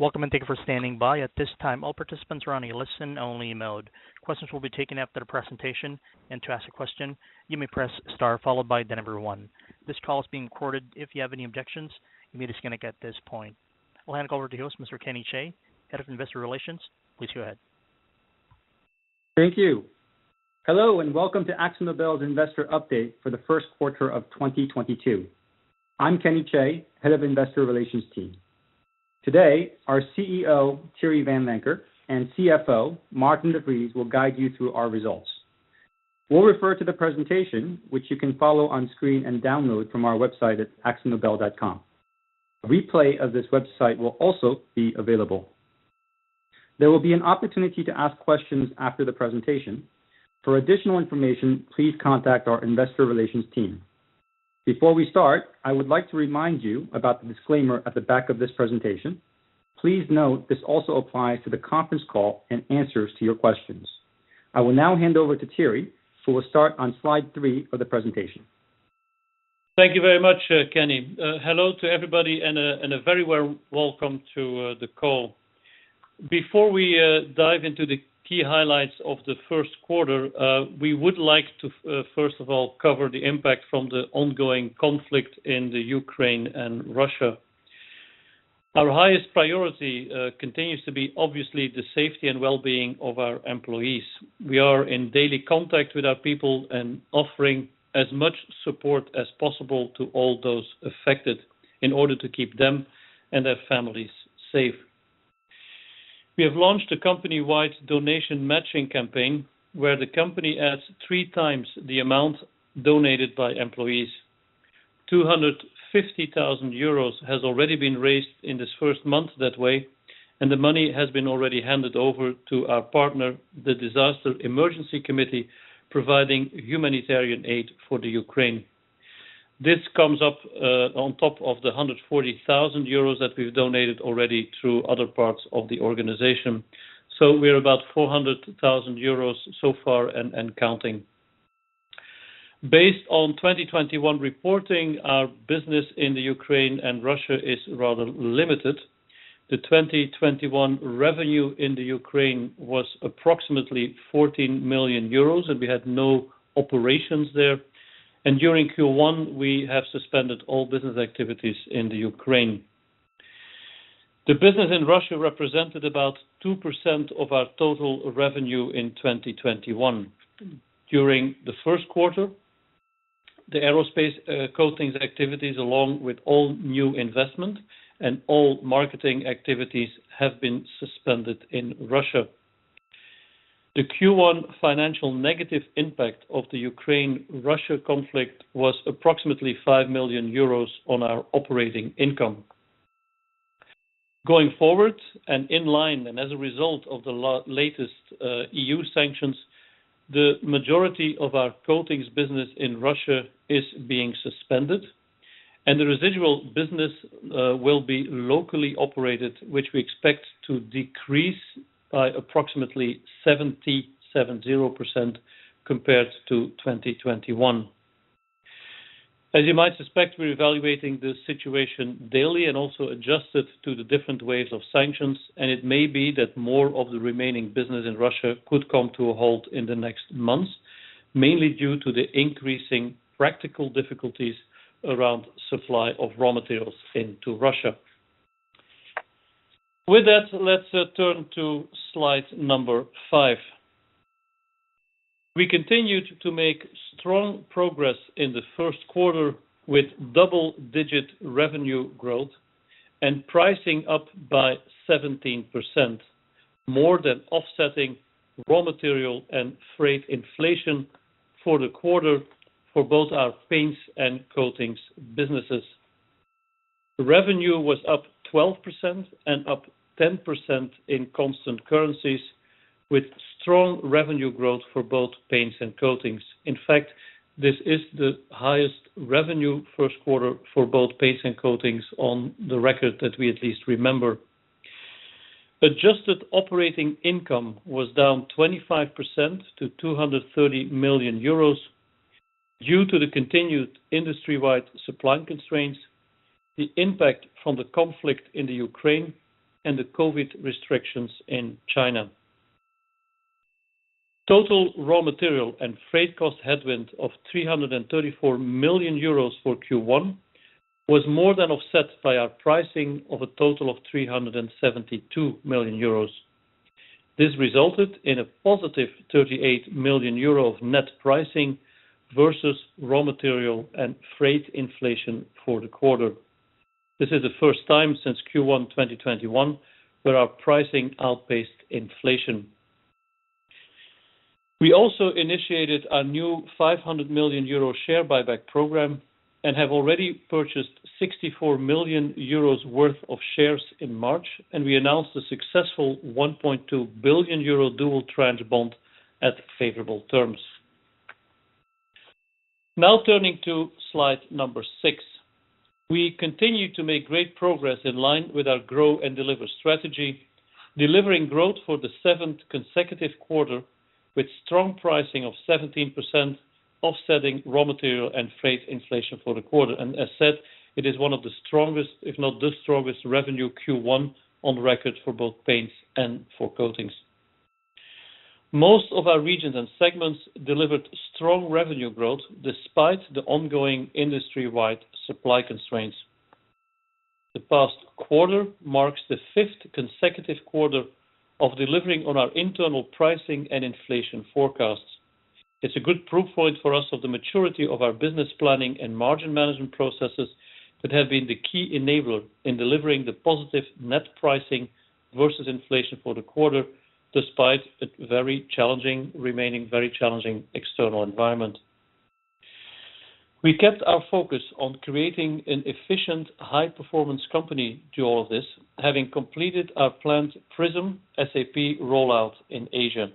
Welcome and thank you for standing by. At this time, all participants are on a listen-only mode. Questions will be taken after the presentation. To ask a question, you may press star followed by the number 1. This call is being recorded. If you have any objections, you may disconnect at this point. I'll hand it over to host Mr. Kenny Chae, Head of Investor Relations. Please go ahead. Thank you. Hello, and welcome to AkzoNobel's Investor Update for the first quarter of 2022. I'm Kenny Chae, Head of Investor Relations. Today, our CEO, Thierry Vanlancker, and CFO, Maarten de Vries, will guide you through our results. We'll refer to the presentation, which you can follow on screen and download from our website at akzonobel.com. A replay of this webcast will also be available. There will be an opportunity to ask questions after the presentation. For additional information, please contact our investor relations team. Before we start, I would like to remind you about the disclaimer at the back of this presentation. Please note this also applies to the conference call and answers to your questions. I will now hand over to Thierry, who will start on Slide three of the presentation. Thank you very much, Kenny. Hello to everybody and a very warm welcome to the call. Before we dive into the key highlights of the first quarter, we would like to, first of all, cover the impact from the ongoing conflict in the Ukraine and Russia. Our highest priority continues to be obviously the safety and well-being of our employees. We are in daily contact with our people and offering as much support as possible to all those affected in order to keep them and their families safe. We have launched a company-wide donation matching campaign where the company adds three times the amount donated by employees. 250,000 euros has already been raised in this first month that way, and the money has been already handed over to our partner, the Disasters Emergency Committee, providing humanitarian aid for the Ukraine. This comes up on top of the 140 thousand euros that we've donated already through other parts of the organization. We're about 400 thousand euros so far and counting. Based on 2021 reporting, our business in the Ukraine and Russia is rather limited. The 2021 revenue in the Ukraine was approximately 14 million euros, and we had no operations there. During Q1, we have suspended all business activities in the Ukraine. The business in Russia represented about 2% of our total revenue in 2021. During the first quarter, the Aerospace Coatings activities, along with all new investment and all marketing activities, have been suspended in Russia. The Q1 financial negative impact of the Ukraine-Russia conflict was approximately 5 million euros on our operating income. Going forward and in line, and as a result of the latest EU sanctions, the majority of our coatings business in Russia is being suspended, and the residual business will be locally operated, which we expect to decrease by approximately 70% compared to 2021. As you might suspect, we're evaluating the situation daily and also adjust it to the different waves of sanctions, and it may be that more of the remaining business in Russia could come to a halt in the next months, mainly due to the increasing practical difficulties around supply of raw materials into Russia. With that, let's turn to Slide five. We continued to make strong progress in the first quarter with double-digit revenue growth and pricing up by 17%, more than offsetting raw material and freight inflation for the quarter for both our paints and coatings businesses. Revenue was up 12% and up 10% in constant currencies, with strong revenue growth for both paints and coatings. In fact, this is the highest revenue first quarter for both paints and coatings on the record that we at least remember. Adjusted operating income was down 25% to 230 million euros due to the continued industry-wide supply constraints, the impact from the conflict in the Ukraine, and the COVID restrictions in China. Total raw material and freight cost headwind of 334 million euros for Q1 was more than offset by our pricing of a total of 372 million euros. This resulted in a positive 38 million euro of net pricing versus raw material and freight inflation for the quarter. This is the first time since Q1 2021 that our pricing outpaced inflation. We also initiated a new 500 million euro share buyback program and have already purchased 64 million euros worth of shares in March, and we announced a successful 1.2 billion euro dual tranche bond at favorable terms. Now turning to Slide eight. We continue to make great progress in line with our Grow & Deliver strategy. Delivering growth for the seventh consecutive quarter with strong pricing of 17% offsetting raw material and freight inflation for the quarter. As said, it is one of the strongest, if not the strongest revenue Q1 on record for both paints and for coatings. Most of our regions and segments delivered strong revenue growth despite the ongoing industry-wide supply constraints. The past quarter marks the fifth consecutive quarter of delivering on our internal pricing and inflation forecasts. It's a good proof point for us of the maturity of our business planning and margin management processes that have been the key enabler in delivering the positive net pricing versus inflation for the quarter, despite remaining very challenging external environment. We kept our focus on creating an efficient high performance company through all of this, having completed our planned PRISM SAP rollout in Asia.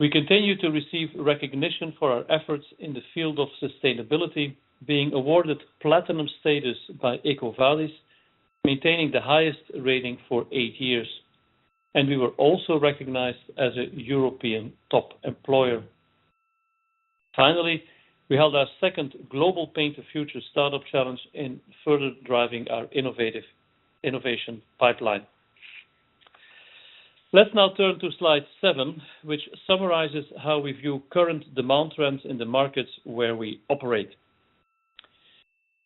We continue to receive recognition for our efforts in the field of sustainability, being awarded platinum status by EcoVadis, maintaining the highest rating for 8 years. We were also recognized as a European Top Employer. Finally, we held our second Global Paint the Future Startup Challenge in further driving our innovation pipeline. Let's now turn to Slide seven, which summarizes how we view current demand trends in the markets where we operate.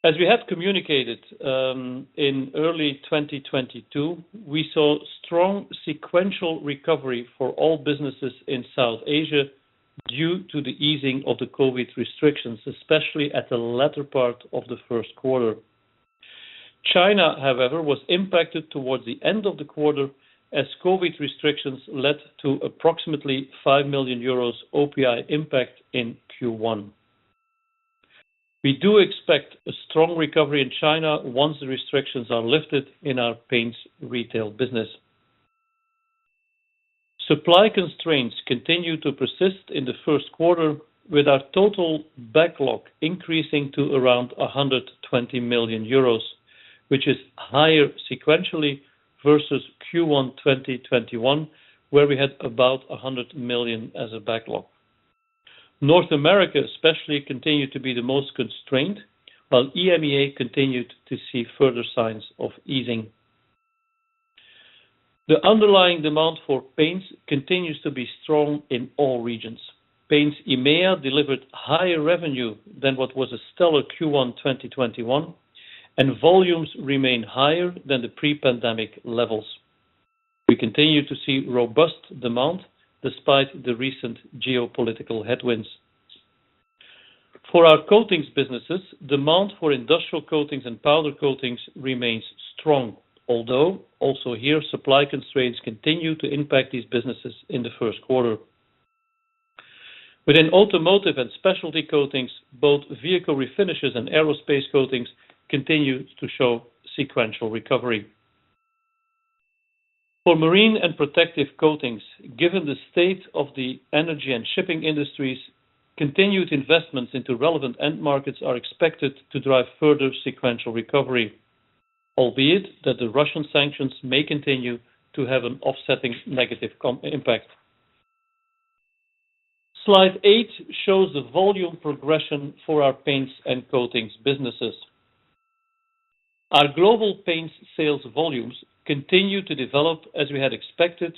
As we have communicated in early 2022, we saw strong sequential recovery for all businesses in Southeast Asia due to the easing of the COVID restrictions, especially at the latter part of the first quarter. China, however, was impacted towards the end of the quarter as COVID restrictions led to approximately 5 million euros OPI impact in Q1. We do expect a strong recovery in China once the restrictions are lifted in our paints retail business. Supply constraints continue to persist in the first quarter, with our total backlog increasing to around 120 million euros, which is higher sequentially versus Q1 2021, where we had about 100 million as a backlog. North America especially continued to be the most constrained, while EMEA continued to see further signs of easing. The underlying demand for paints continues to be strong in all regions. Paints EMEA delivered higher revenue than what was a stellar Q1 2021, and volumes remain higher than the pre-pandemic levels. We continue to see robust demand despite the recent geopolitical headwinds. For our coatings businesses, demand for Industrial Coatings and Powder Coatings remains strong, although also here supply constraints continue to impact these businesses in the first quarter. Within Automotive and Specialty Coatings, both Vehicle Refinishes and Aerospace Coatings continue to show sequential recovery. For Marine and Protective Coatings, given the state of the energy and shipping industries, continued investments into relevant end markets are expected to drive further sequential recovery, albeit that the Russian sanctions may continue to have an offsetting negative impact. Slide eight shows the volume progression for our paints and coatings businesses. Our global paints sales volumes continue to develop as we had expected,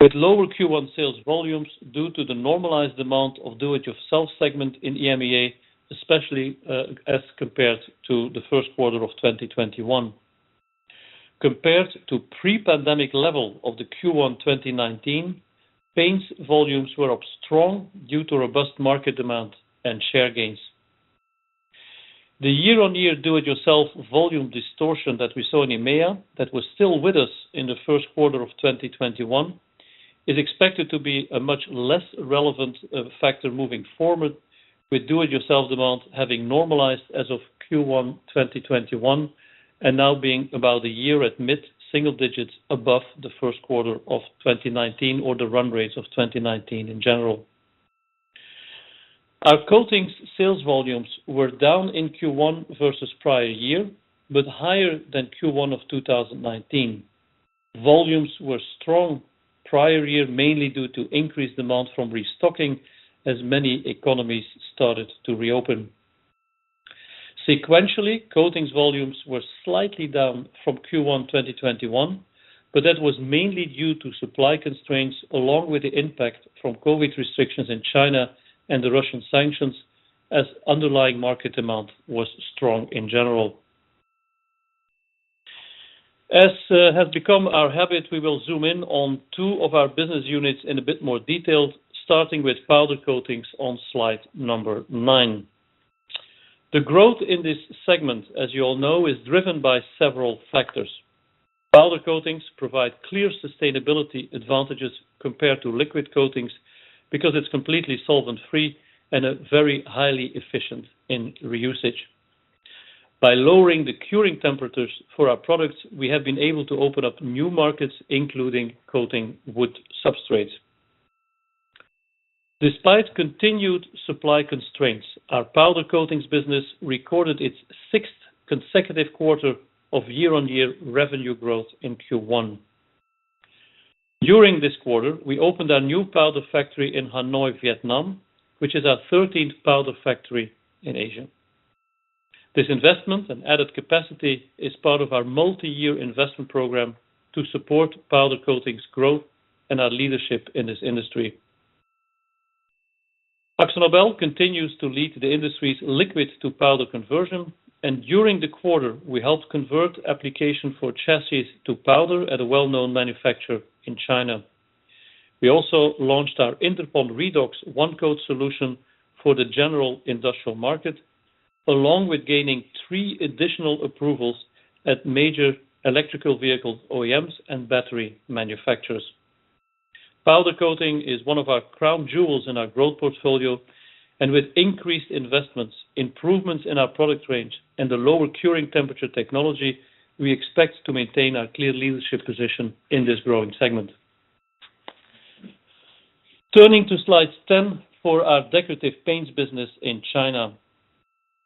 with lower Q1 sales volumes due to the normalized amount of do it yourself segment in EMEA, especially, as compared to the first quarter of 2021. Compared to pre-pandemic level of the Q1 2019, paints volumes were up strong due to robust market demand and share gains. The year-on-year do it yourself volume distortion that we saw in EMEA that was still with us in the first quarter of 2021 is expected to be a much less relevant factor moving forward with do it yourself demand having normalized as of Q1 2021 and now being about a year at mid-single digits above the first quarter of 2019 or the run rates of 2019 in general. Our coatings sales volumes were down in Q1 versus prior year, but higher than Q1 of 2019. Volumes were strong prior year mainly due to increased demand from restocking as many economies started to reopen. Sequentially, coatings volumes were slightly down from Q1 2021, but that was mainly due to supply constraints along with the impact from COVID restrictions in China and the Russian sanctions as underlying market demand was strong in general. As has become our habit, we will zoom in on two of our business units in a bit more detail, starting with Powder Coatings on Slide nine. The growth in this segment, as you all know, is driven by several factors. Powder Coatings provide clear sustainability advantages compared to liquid coatings because it's completely solvent-free and very highly efficient in reuse. By lowering the curing temperatures for our products, we have been able to open up new markets, including coating wood substrates. Despite continued supply constraints, our Powder Coatings business recorded its sixth consecutive quarter of year-on-year revenue growth in Q1. During this quarter, we opened our new powder factory in Hanoi, Vietnam, which is our thirteenth powder factory in Asia. This investment and added capacity is part of our multi-year investment program to support Powder Coatings growth and our leadership in this industry. AkzoNobel continues to lead the industry's liquid to powder conversion, and during the quarter, we helped convert application for chassis to powder at a well-known manufacturer in China. We also launched our Interpon Redox one coat solution for the general industrial market, along with gaining three additional approvals at major electric vehicle OEMs and battery manufacturers. Powder Coatings is one of our crown jewels in our growth portfolio, and with increased investments, improvements in our product range, and the lower curing temperature technology, we expect to maintain our clear leadership position in this growing segment. Turning to Slide 10 for our Decorative Paints business in China.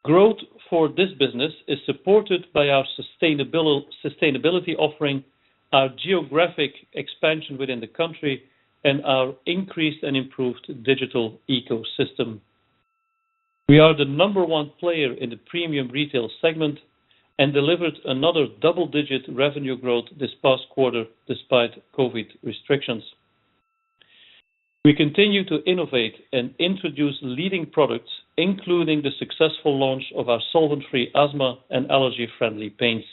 Growth for this business is supported by our sustainability offering, our geographic expansion within the country, and our increased and improved digital ecosystem. We are the number one player in the premium retail segment and delivered another double-digit revenue growth this past quarter despite COVID restrictions. We continue to innovate and introduce leading products, including the successful launch of our solvent-free asthma and allergy-friendly paints.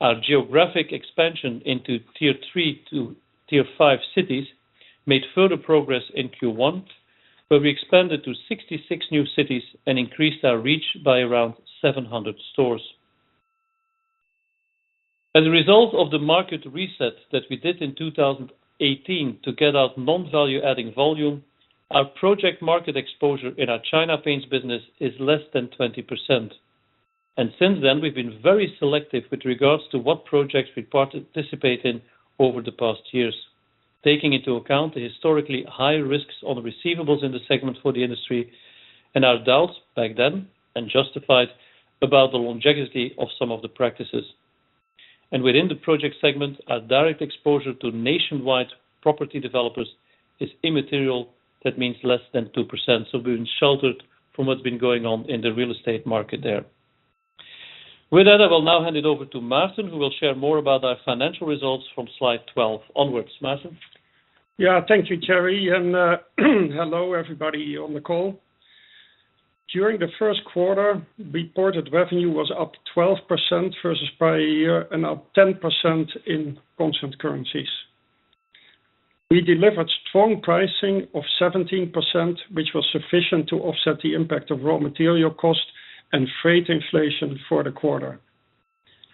Our geographic expansion into tier three to tier five cities made further progress in Q1, where we expanded to 66 new cities and increased our reach by around 700 stores. As a result of the market reset that we did in 2018 to get out non-value adding volume, our project market exposure in our China paints business is less than 20%. Since then, we've been very selective with regards to what projects we participate in over the past years, taking into account the historically high risks on receivables in the segment for the industry and our doubts back then and justified about the longevity of some of the practices. Within the project segment, our direct exposure to nationwide property developers is immaterial. That means less than 2%. We've been sheltered from what's been going on in the real estate market there. With that, I will now hand it over to Maarten, who will share more about our financial results from Slide 12 onwards. Maarten? Yeah. Thank you, Thierry, and hello, everybody on the call. During the first quarter, reported revenue was up 12% versus prior year and up 10% in constant currencies. We delivered strong pricing of 17%, which was sufficient to offset the impact of raw material cost and freight inflation for the quarter.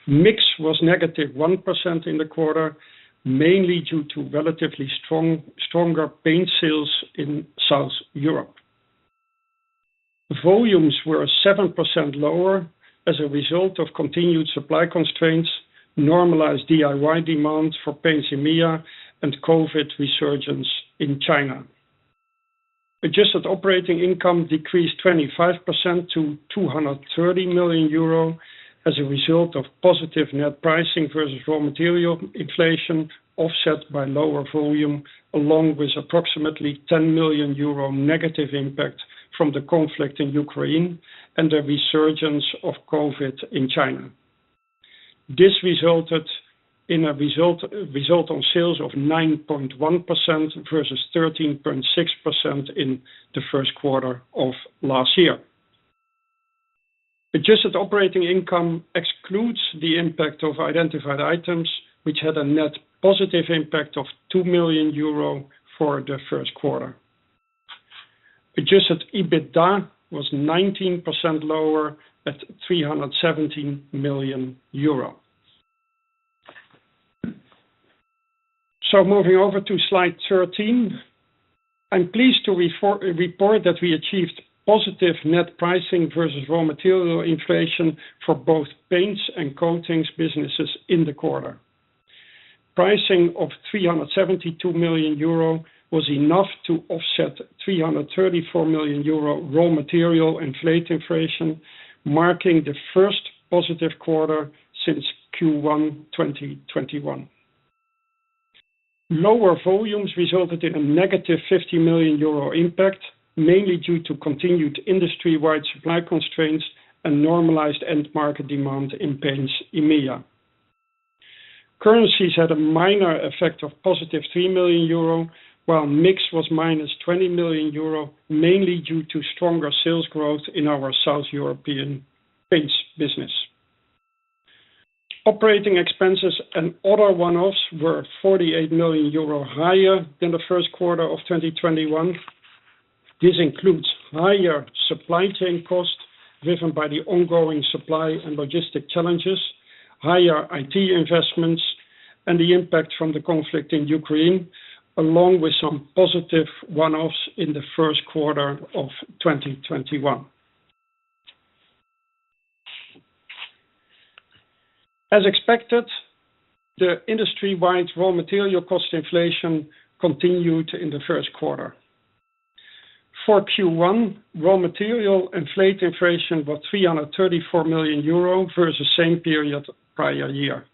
Mix was -1% in the quarter, mainly due to relatively strong, stronger paint sales in South Europe. Volumes were 7% lower as a result of continued supply constraints, normalized DIY demand for paints in EMEA, and COVID resurgence in China. Adjusted operating income decreased 25% to 230 million euro as a result of positive net pricing versus raw material inflation, offset by lower volume, along with approximately 10 million euro negative impact from the conflict in Ukraine and the resurgence of COVID in China. This resulted in a result on sales of 9.1% versus 13.6% in the first quarter of last year. Adjusted operating income excludes the impact of identified items, which had a net positive impact of 2 million euro for the first quarter. Adjusted EBITDA was 19% lower at EUR 317 million. Moving over to Slide 13. I'm pleased to report that we achieved positive net pricing versus raw material inflation for both paints and coatings businesses in the quarter. Pricing of 372 million euro was enough to offset 334 million euro raw material and freight inflation, marking the first positive quarter since Q1 2021. Lower volumes resulted in a negative 50 million euro impact, mainly due to continued industry-wide supply constraints and normalized end market demand in paints EMEA. Currencies had a minor effect of positive 3 million euro, while mix was minus 20 million euro, mainly due to stronger sales growth in our South European paints business. Operating expenses and other one-offs were 48 million euro higher than the first quarter of 2021. This includes higher supply chain costs driven by the ongoing supply and logistic challenges, higher IT investments, and the impact from the conflict in Ukraine, along with some positive one-offs in the first quarter of 2021. As expected, the industry-wide raw material cost inflation continued in the first quarter. For Q1, raw material and freight inflation was 334 million euro versus same period prior year.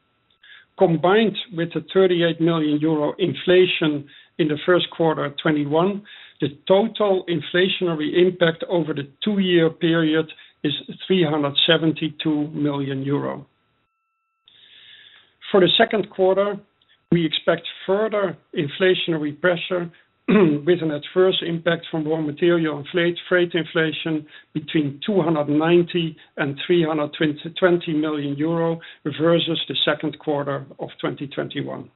Combined with the 38 million euro inflation in the first quarter of 2021, the total inflationary impact over the two-year period is 372 million euro. For the second quarter, we expect further inflationary pressure with an adverse impact from raw material and freight inflation between 290 million and 320 million euro versus the second quarter of 2021.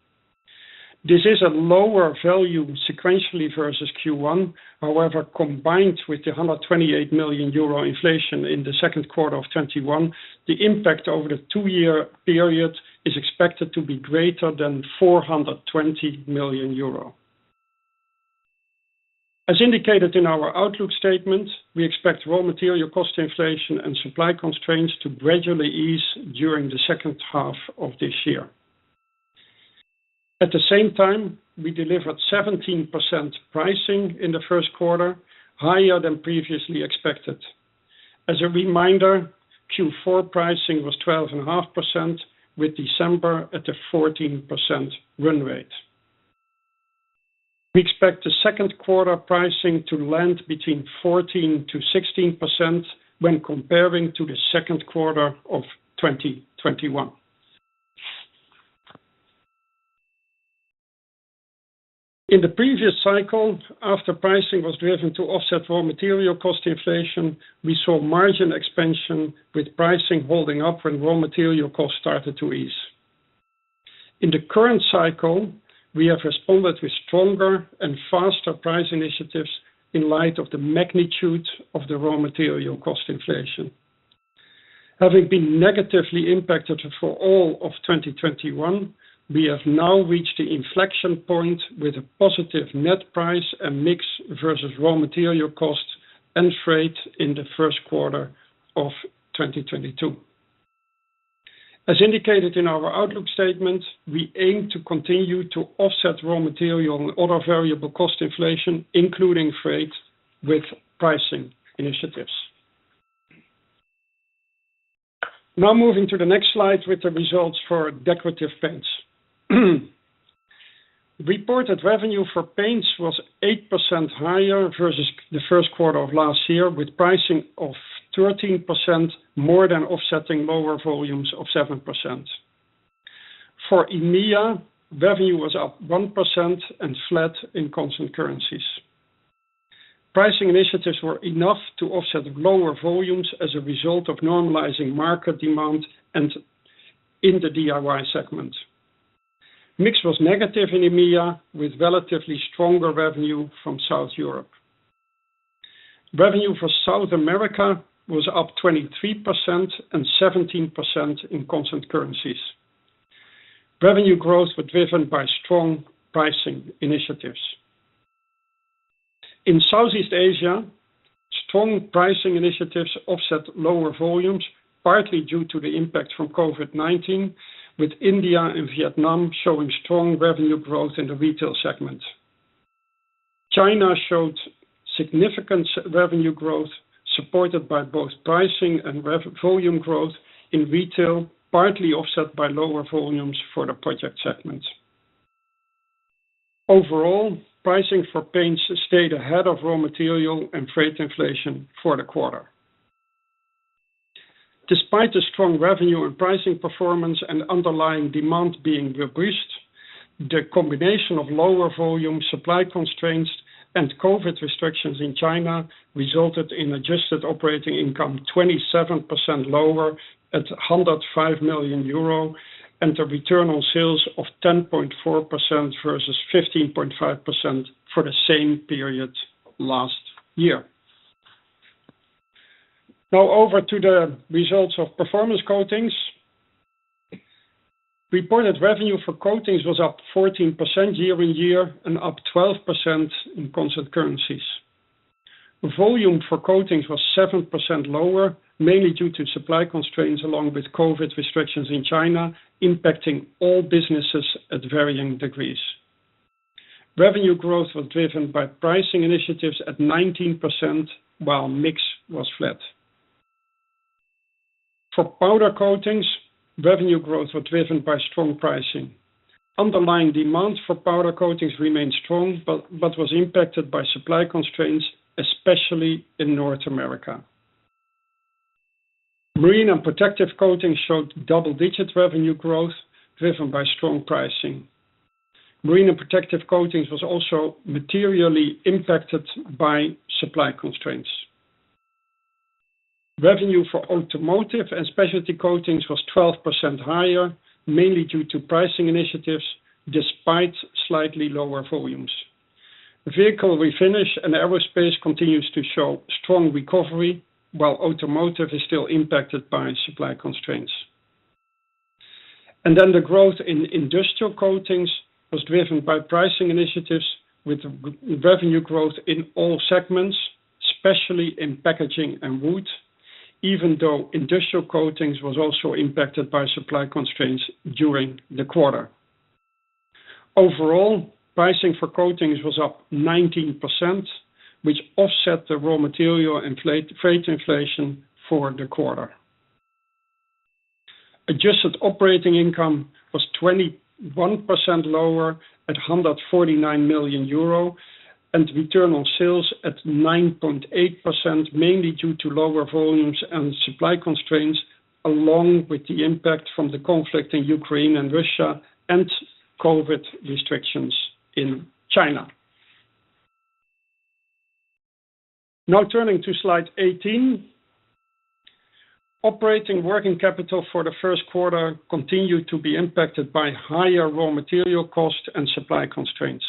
This is a lower value sequentially versus Q1. However, combined with the 128 million euro inflation in the second quarter of 2021, the impact over the two-year period is expected to be greater than 420 million euro. As indicated in our outlook statement, we expect raw material cost inflation and supply constraints to gradually ease during the second half of this year. At the same time, we delivered 17% pricing in the first quarter, higher than previously expected. As a reminder, Q4 pricing was 12.5%, with December at a 14% run rate. We expect the second quarter pricing to land between 14%-16% when comparing to the second quarter of 2021. In the previous cycle, after pricing was driven to offset raw material cost inflation, we saw margin expansion with pricing holding up when raw material costs started to ease. In the current cycle, we have responded with stronger and faster price initiatives in light of the magnitude of the raw material cost inflation. Having been negatively impacted for all of 2021, we have now reached the inflection point with a positive net price and mix versus raw material cost and freight in the first quarter of 2022. As indicated in our outlook statement, we aim to continue to offset raw material and other variable cost inflation, including freight, with pricing initiatives. Now moving to the next slide with the results for Decorative Paints. Reported revenue for paints was 8% higher versus the first quarter of last year, with pricing of 13% more than offsetting lower volumes of 7%. For EMEA, revenue was up 1% and flat in constant currencies. Pricing initiatives were enough to offset lower volumes as a result of normalizing market demand and in the DIY segment. Mix was negative in EMEA, with relatively stronger revenue from South Europe. Revenue for South America was up 23% and 17% in constant currencies. Revenue growth were driven by strong pricing initiatives. In Southeast Asia, strong pricing initiatives offset lower volumes, partly due to the impact from COVID-19, with India and Vietnam showing strong revenue growth in the retail segment. China showed significant revenue growth supported by both pricing and volume growth in retail, partly offset by lower volumes for the project segment. Overall, pricing for paints stayed ahead of raw material and freight inflation for the quarter. Despite the strong revenue and pricing performance and underlying demand being reduced, the combination of lower volume, supply constraints, and COVID restrictions in China resulted in adjusted operating income 27% lower at 105 million euro and a return on sales of 10.4% versus 15.5% for the same period last year. Now over to the results of Performance Coatings. Reported revenue for coatings was up 14% year-on-year and up 12% in constant currencies. Volume for coatings was 7% lower, mainly due to supply constraints along with COVID restrictions in China, impacting all businesses at varying degrees. Revenue growth was driven by pricing initiatives at 19%, while mix was flat. For Powder Coatings, revenue growth was driven by strong pricing. Underlying demand for Powder Coatings remained strong but was impacted by supply constraints, especially in North America. Marine and Protective Coatings showed double-digit revenue growth driven by strong pricing. Marine and Protective Coatings was also materially impacted by supply constraints. Revenue for Automotive and Specialty Coatings was 12% higher, mainly due to pricing initiatives despite slightly lower volumes. Vehicle Refinishes and Aerospace continues to show strong recovery while automotive is still impacted by supply constraints. The growth in Industrial Coatings was driven by pricing initiatives with revenue growth in all segments, especially in packaging and wood, even though Industrial Coatings was also impacted by supply constraints during the quarter. Overall, pricing for coatings was up 19%, which offset the raw material and freight inflation for the quarter. Adjusted operating income was 21% lower at 149 million euro and return on sales at 9.8%, mainly due to lower volumes and supply constraints, along with the impact from the conflict in Ukraine and Russia and COVID restrictions in China. Now turning to Slide 18. Operating working capital for the first quarter continued to be impacted by higher raw material costs and supply constraints.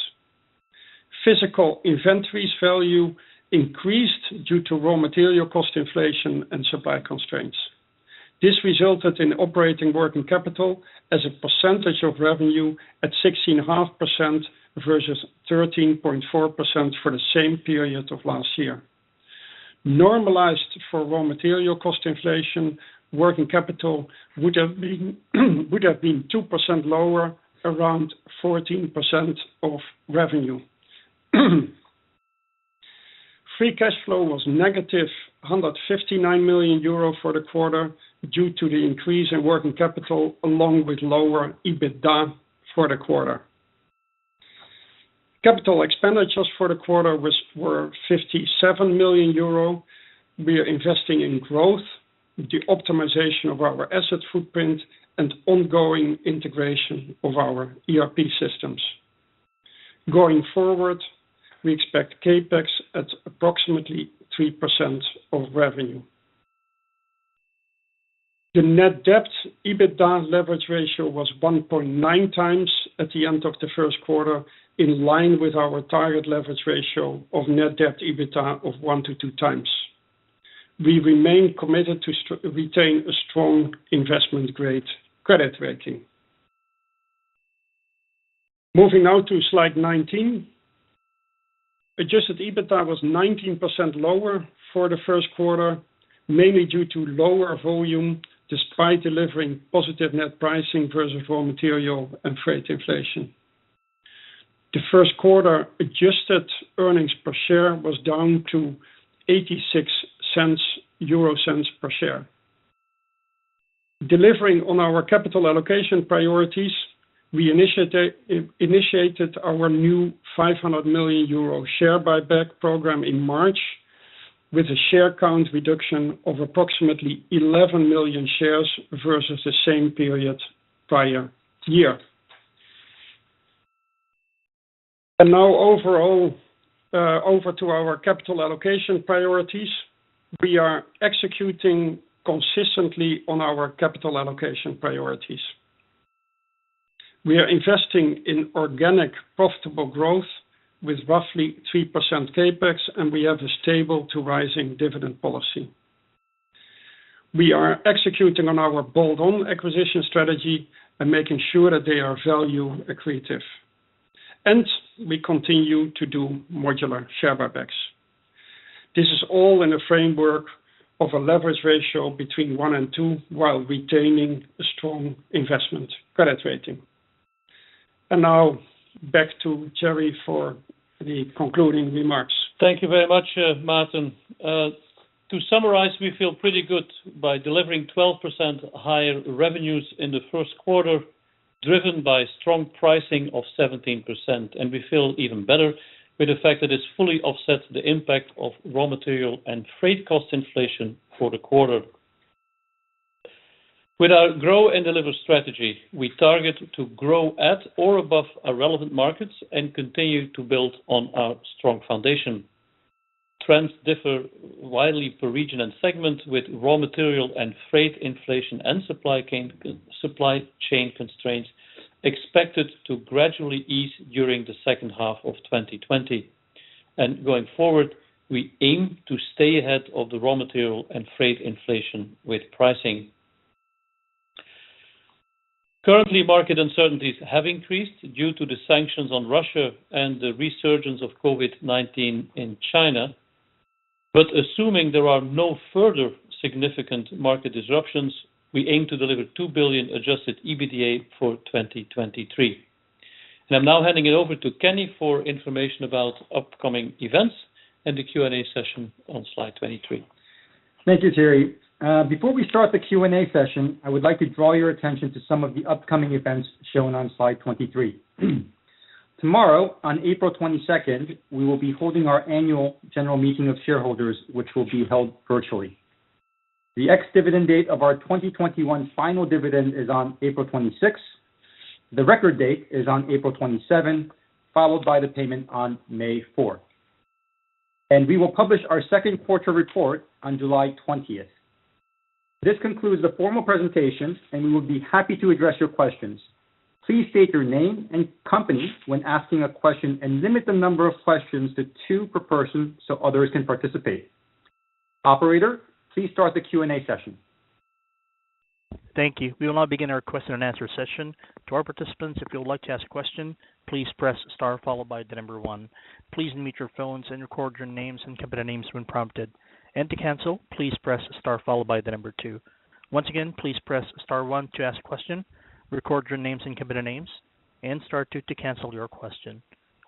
Physical inventories value increased due to raw material cost inflation and supply constraints. This resulted in operating working capital as a percentage of revenue at 16.5% versus 13.4% for the same period of last year. Normalized for raw material cost inflation, working capital would have been 2% lower around 14% of revenue. Free cash flow was negative 159 million euro for the quarter due to the increase in working capital along with lower EBITDA for the quarter. Capital expenditures for the quarter were 57 million euro. We are investing in growth, the optimization of our asset footprint and ongoing integration of our ERP systems. Going forward, we expect CapEx at approximately 3% of revenue. The net debt/EBITDA leverage ratio was 1.9 times at the end of the first quarter, in line with our target leverage ratio of net debt/EBITDA of 1-2 times. We remain committed to retain a strong investment grade credit rating. Moving now to Slide 19. Adjusted EBITDA was 19% lower for the first quarter, mainly due to lower volume despite delivering positive net pricing versus raw material and freight inflation. The first quarter adjusted earnings per share was down to 0.86 per share. Delivering on our capital allocation priorities, we initiated our new 500 million euro share buyback program in March with a share count reduction of approximately 11 million shares versus the same period prior year. Now overall, over to our capital allocation priorities. We are executing consistently on our capital allocation priorities. We are investing in organic profitable growth with roughly 3% CapEx, and we have a stable-to-rising dividend policy. We are executing on our bolt-on acquisition strategy and making sure that they are value accretive. We continue to do modular share buybacks. This is all in the framework of a leverage ratio between 1-2 while retaining a strong investment credit rating. Now back to Thierry Vanlancker for the concluding remarks. Thank you very much, Maarten. To summarize, we feel pretty good by delivering 12% higher revenues in the first quarter, driven by strong pricing of 17%. We feel even better with the fact that it's fully offset the impact of raw material and freight cost inflation for the quarter. With our Grow & Deliver strategy, we target to grow at or above our relevant markets and continue to build on our strong foundation. Trends differ widely per region and segment with raw material and freight inflation and supply chain constraints expected to gradually ease during the second half of 2020. Going forward, we aim to stay ahead of the raw material and freight inflation with pricing. Currently, market uncertainties have increased due to the sanctions on Russia and the resurgence of COVID-19 in China. Assuming there are no further significant market disruptions, we aim to deliver 2 billion adjusted EBITDA for 2023. I'm now handing it over to Kenny for information about upcoming events and the Q&A session on Slide 23. Thank you, Thierry Vanlancker. Before we start the Q&A session, I would like to draw your attention to some of the upcoming events shown on Slide 23. Tomorrow, on April 22, we will be holding our annual general meeting of shareholders, which will be held virtually. The ex-dividend date of our 2021 final dividend is on April 26. The record date is on April 27, followed by the payment on May 4. We will publish our second quarter report on July 20. This concludes the formal presentation, and we will be happy to address your questions. Please state your name and company when asking a question and limit the number of questions to two per person so others can participate. Operator, please start the Q&A session. Thank you. We will now begin our question-and-answer session. To our participants, if you would like to ask a question, please press star followed by the number 1. Please mute your phones and record your names and company names when prompted. To cancel, please press star followed by the number 2. Once again, please press star 1 to ask question, record your names and company names, and star 2 to cancel your question.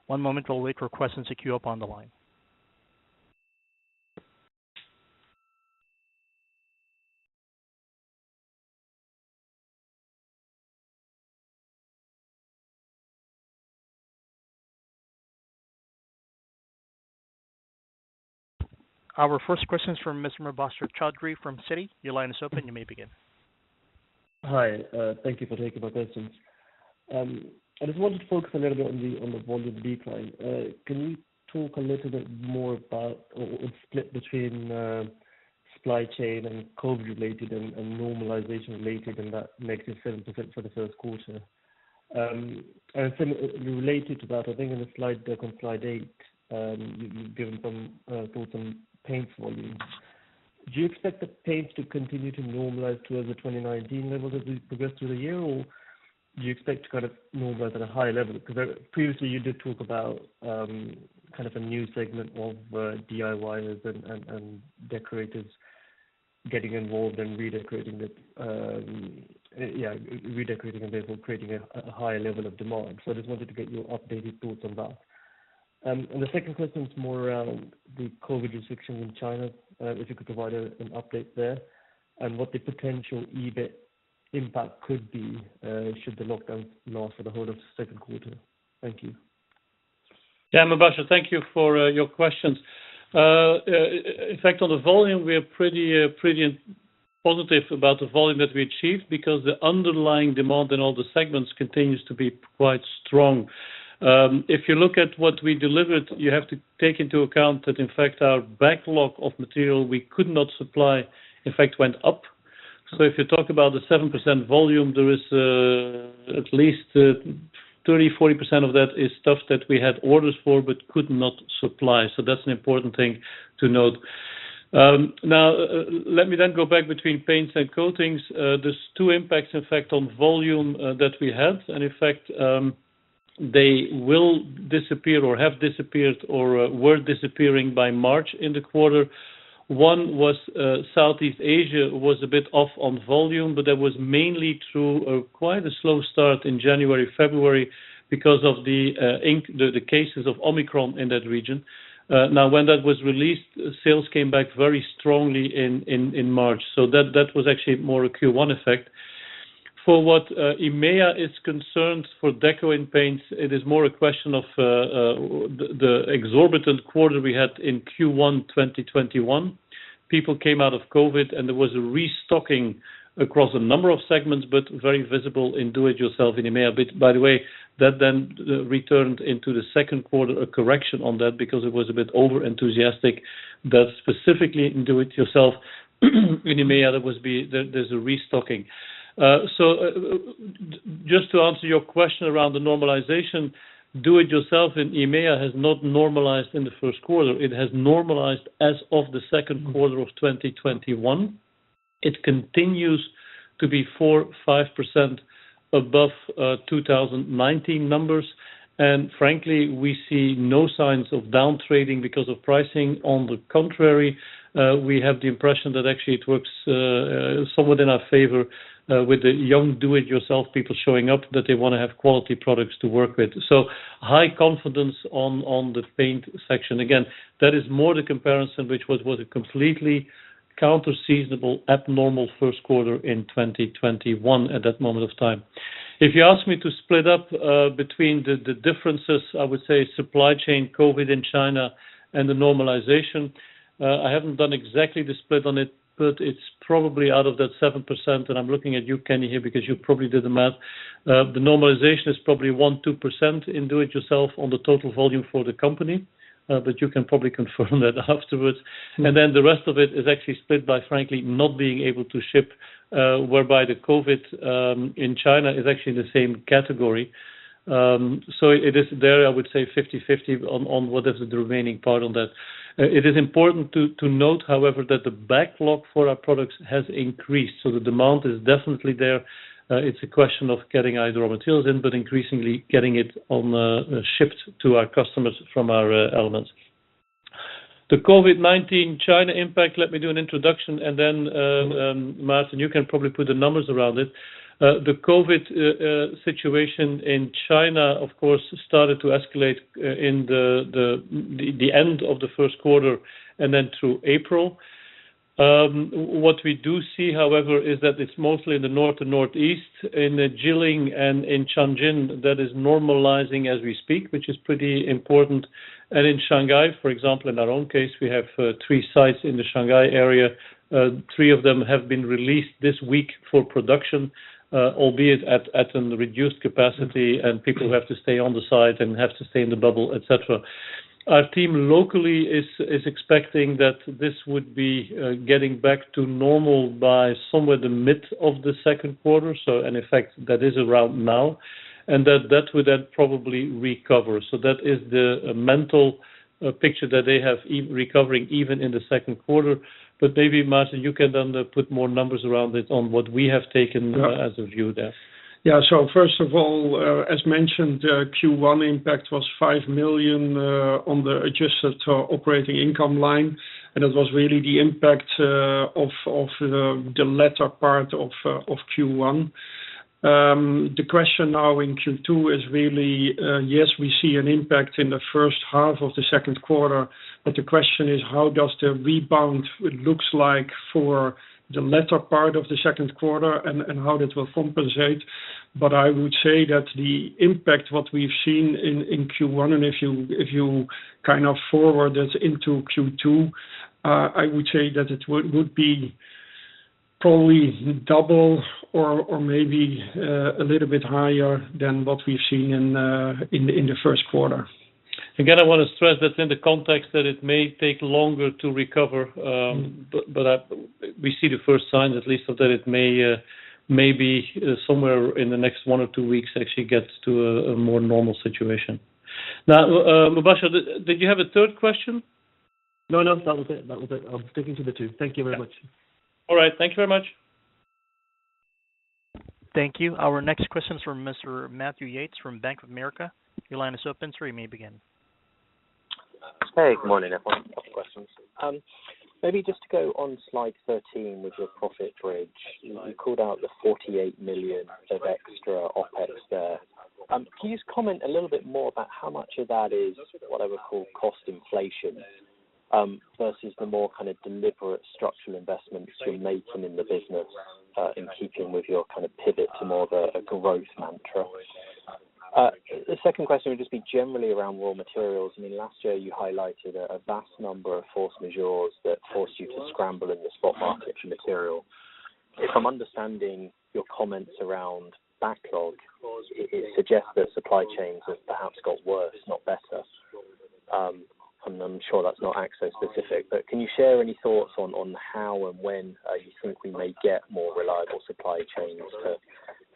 One moment while we request and secure you up on the line. Our first question is from Mr. Mubasher Chaudhry from Citi. Your line is open. You may begin. Hi. Thank you for taking my questions. I just wanted to focus a little bit on the volume decline. Can you talk a little bit more about the split between supply chain and COVID-related and normalization-related, and that makes it 7% for the first quarter? Related to that, I think in the slide deck on Slide eight, you've talked about some paints volumes. Do you expect the paints to continue to normalize towards the 2019 levels as we progress through the year or do you expect to kind of normalize at a higher level? Because previously you did talk about kind of a new segment of DIYers and decorators getting involved and redecorating and therefore creating a higher level of demand. I just wanted to get your updated thoughts on that. The second question is more around the COVID restrictions in China, if you could provide an update there and what the potential EBIT impact could be, should the lockdown last for the whole of second quarter. Thank you. Yeah, Mubasher, thank you for your questions. In fact, on the volume, we are pretty positive about the volume that we achieved because the underlying demand in all the segments continues to be quite strong. If you look at what we delivered, you have to take into account that in fact our backlog of material we could not supply in fact went up. If you talk about the 7% volume, there is at least 30-40% of that is stuff that we had orders for but could not supply. That's an important thing to note. Now, let me then go back between paints and coatings. There's two impacts in fact on volume that we had and in fact they will disappear or have disappeared or were disappearing by March in the quarter. One was Southeast Asia was a bit off on volume, but that was mainly through quite a slow start in January, February because of the cases of Omicron in that region. Now when that was released, sales came back very strongly in March. That was actually more a Q1 effect. For what EMEA is concerned for deco and paints, it is more a question of the exorbitant quarter we had in Q1 2021. People came out of COVID and there was a restocking across a number of segments, but very visible in do it yourself in EMEA. By the way, that then returned into the second quarter, a correction on that because it was a bit over enthusiastic that specifically in do it yourself in EMEA, that was the restocking. Just to answer your question around the normalization, do it yourself in EMEA has not normalized in the first quarter. It has normalized as of the second quarter of 2021. It continues to be 4-5% above 2019 numbers. Frankly, we see no signs of down trading because of pricing. On the contrary, we have the impression that actually it works somewhat in our favor with the young do it yourself people showing up that they wanna have quality products to work with. High confidence on the paint section. Again, that is more the comparison, which was a completely counter-seasonal abnormal first quarter in 2021 at that moment of time. If you ask me to split up between the differences, I would say supply chain, COVID in China and the normalization. I haven't done exactly the split on it, but it's probably out of that 7%, and I'm looking at you, Kenny, here because you probably did the math. The normalization is probably 1-2% in do it yourself on the total volume for the company, but you can probably confirm that afterwards. Then the rest of it is actually split by frankly not being able to ship, whereby the COVID in China is actually in the same category. It is there, I would say 50/50 on whatever the remaining part on that. It is important to note, however, that the backlog for our products has increased. The demand is definitely there. It's a question of getting either raw materials in, but increasingly getting it shipped to our customers from our plants. The COVID-19 China impact, let me do an introduction and then, Maarten, you can probably put the numbers around it. The COVID situation in China, of course, started to escalate in the end of the first quarter and then through April. What we do see, however, is that it's mostly in the north and northeast in the Jilin and in Shenyang that is normalizing as we speak, which is pretty important. In Shanghai, for example, in our own case, we have three sites in the Shanghai area. Three of them have been released this week for production, albeit at a reduced capacity and people have to stay on the site and have to stay in the bubble, et cetera. Our team locally is expecting that this would be getting back to normal by the mid of the second quarter, so in effect, that is around now, and that would then probably recover. That is the mental picture that they have recovering even in the second quarter. Maybe, Maarten, you can then put more numbers around it on what we have taken as a view there. Yeah. First of all, as mentioned, Q1 impact was 5 million on the Adjusted operating income line, and it was really the impact of the latter part of Q1. The question now in Q2 is really yes, we see an impact in the first half of the second quarter, but the question is how does the rebound looks like for the latter part of the second quarter and how it will compensate. I would say that the impact what we've seen in Q1, and if you kind of forward it into Q2, I would say that it would be probably double or maybe a little bit higher than what we've seen in the first quarter. Again, I want to stress that in the context that it may take longer to recover, but we see the first signs at least that it may maybe somewhere in the next 1 or 2 weeks actually gets to a more normal situation. Now, Mubasher, did you have a third question? No, no. That was it. I'll stick to the two. Thank you very much. All right. Thank you very much. Thank you. Our next question is from Mr. Matthew Yates from Bank of America. Your line is open. Sir, you may begin. Hey, good morning, everyone. Couple of questions. Maybe just to go on Slide 13 with your profit bridge. You called out the 48 million of extra OpEx there. Can you just comment a little bit more about how much of that is what I would call cost inflation, versus the more kind of deliberate structural investments you're making in the business, in keeping with your kind of pivot to more of a growth mantra? The second question would just be generally around raw materials. I mean, last year you highlighted a vast number of force majeure that forced you to scramble in the spot market for material. If I'm understanding your comments around backlog, it suggests that supply chains have perhaps got worse, not better. I'm sure that's not AkzoNobel specific, but can you share any thoughts on how and when you think we may get more reliable supply chains to,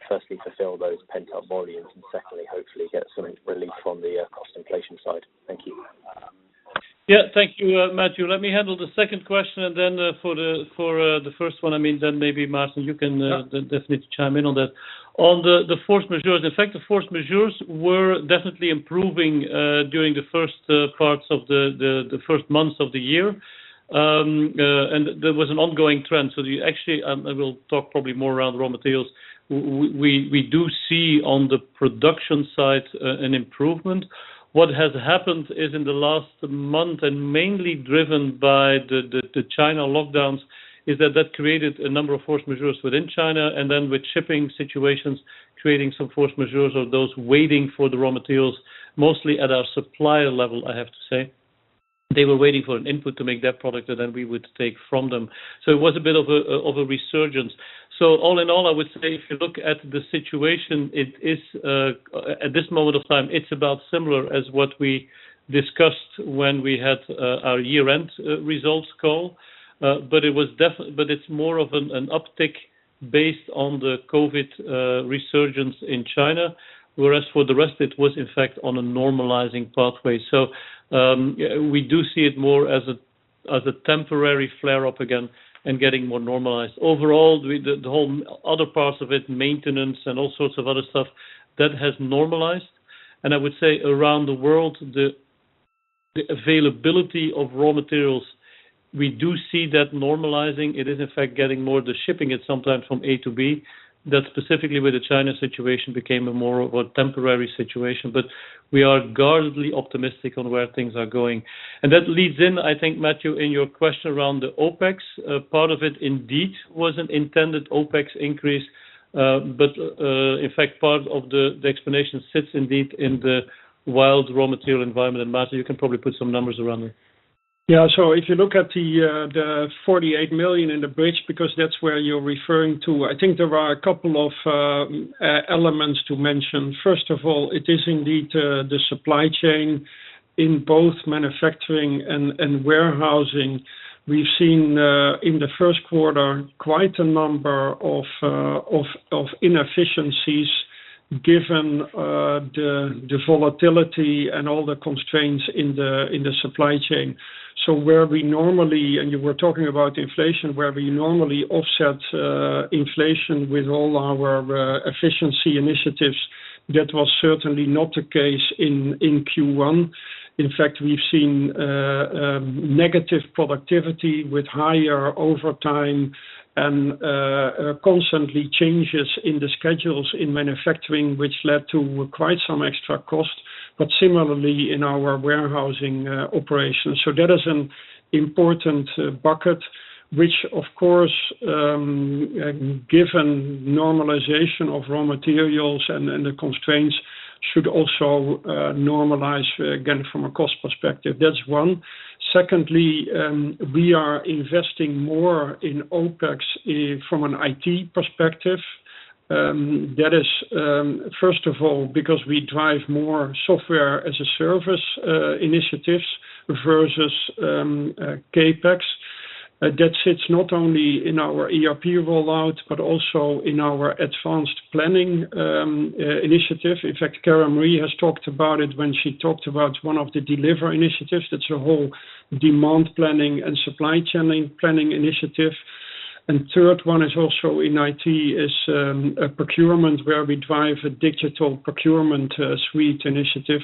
firstly, fulfill those pent-up volumes, and secondly, hopefully get some relief from the cost inflation side? Thank you. Yeah. Thank you, Matthew. Let me handle the second question, and then for the first one, I mean, then maybe, Maarten, you can definitely chime in on that. On the force majeure. In fact, the force majeure were definitely improving during the first parts of the first months of the year. There was an ongoing trend. I will talk probably more around raw materials. We do see on the production side an improvement. What has happened is in the last month, and mainly driven by the China lockdowns, is that created a number of force majeure within China, and then with shipping situations, creating some force majeure of those waiting for the raw materials, mostly at our supplier level, I have to say. They were waiting for an input to make that product, and then we would take from them. It was a bit of a resurgence. All in all, I would say if you look at the situation, it is at this moment of time, it's about similar as what we discussed when we had our year-end results call. But it's more of an uptick based on the COVID resurgence in China, whereas for the rest, it was in fact on a normalizing pathway. We do see it more as a temporary flare-up again and getting more normalized. Overall, the whole other parts of it, maintenance and all sorts of other stuff, that has normalized. I would say around the world, the availability of raw materials, we do see that normalizing. It is in fact getting more, the shipping at some point from A to B. That specifically with the China situation became more of a temporary situation. We are guardedly optimistic on where things are going. That leads in, I think, Matthew, in your question around the OpEx. Part of it indeed was an intended OpEx increase, but in fact, part of the explanation sits indeed in the wild raw material environment. Maarten, you can probably put some numbers around it. If you look at the 48 million in the bridge, because that's where you're referring to, I think there are a couple of elements to mention. First of all, it is indeed the supply chain in both manufacturing and warehousing. We've seen in the first quarter quite a number of inefficiencies given the volatility and all the constraints in the supply chain. You were talking about inflation, where we normally offset inflation with all our efficiency initiatives. That was certainly not the case in Q1. In fact, we've seen negative productivity with higher overtime and constant changes in the schedules in manufacturing, which led to quite some extra cost, but similarly in our warehousing operations. That is an important bucket, which of course, given normalization of raw materials and the constraints, should also normalize, again, from a cost perspective. That's one. Secondly, we are investing more in OpEx from an IT perspective. That is, first of all, because we drive more software as a service initiatives versus CapEx. That sits not only in our ERP rollout but also in our advanced planning initiative. In fact, Karen Marie has talked about it when she talked about one of the deliver initiatives. That's a whole demand planning and supply chain planning initiative. Third one is also in IT, a procurement where we drive a digital procurement suite initiative.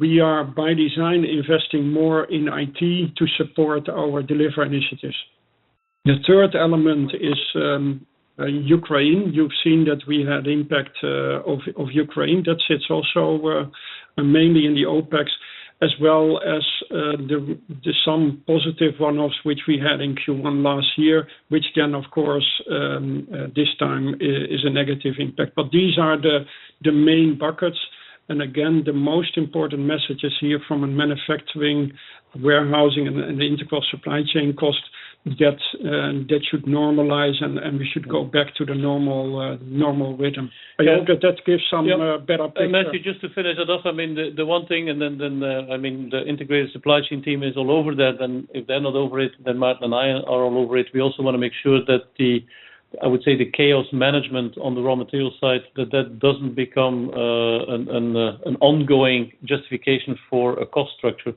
We are by design investing more in IT to support our deliver initiatives. The third element is Ukraine. You've seen that we had impact of Ukraine. That sits also mainly in the OpEx as well as the some positive one-offs, which we had in Q1 last year, which then of course this time is a negative impact. But these are the main buckets. Again, the most important messages here from a manufacturing, warehousing, and the integral supply chain cost that should normalize, and we should go back to the normal rhythm. I hope that gives some better picture. Matthew, just to finish it off, I mean, the integrated supply chain team is all over that. If they're not over it, then Maarten and I are all over it. We also wanna make sure that I would say, the chaos management on the raw material side, that doesn't become an ongoing justification for a cost structure.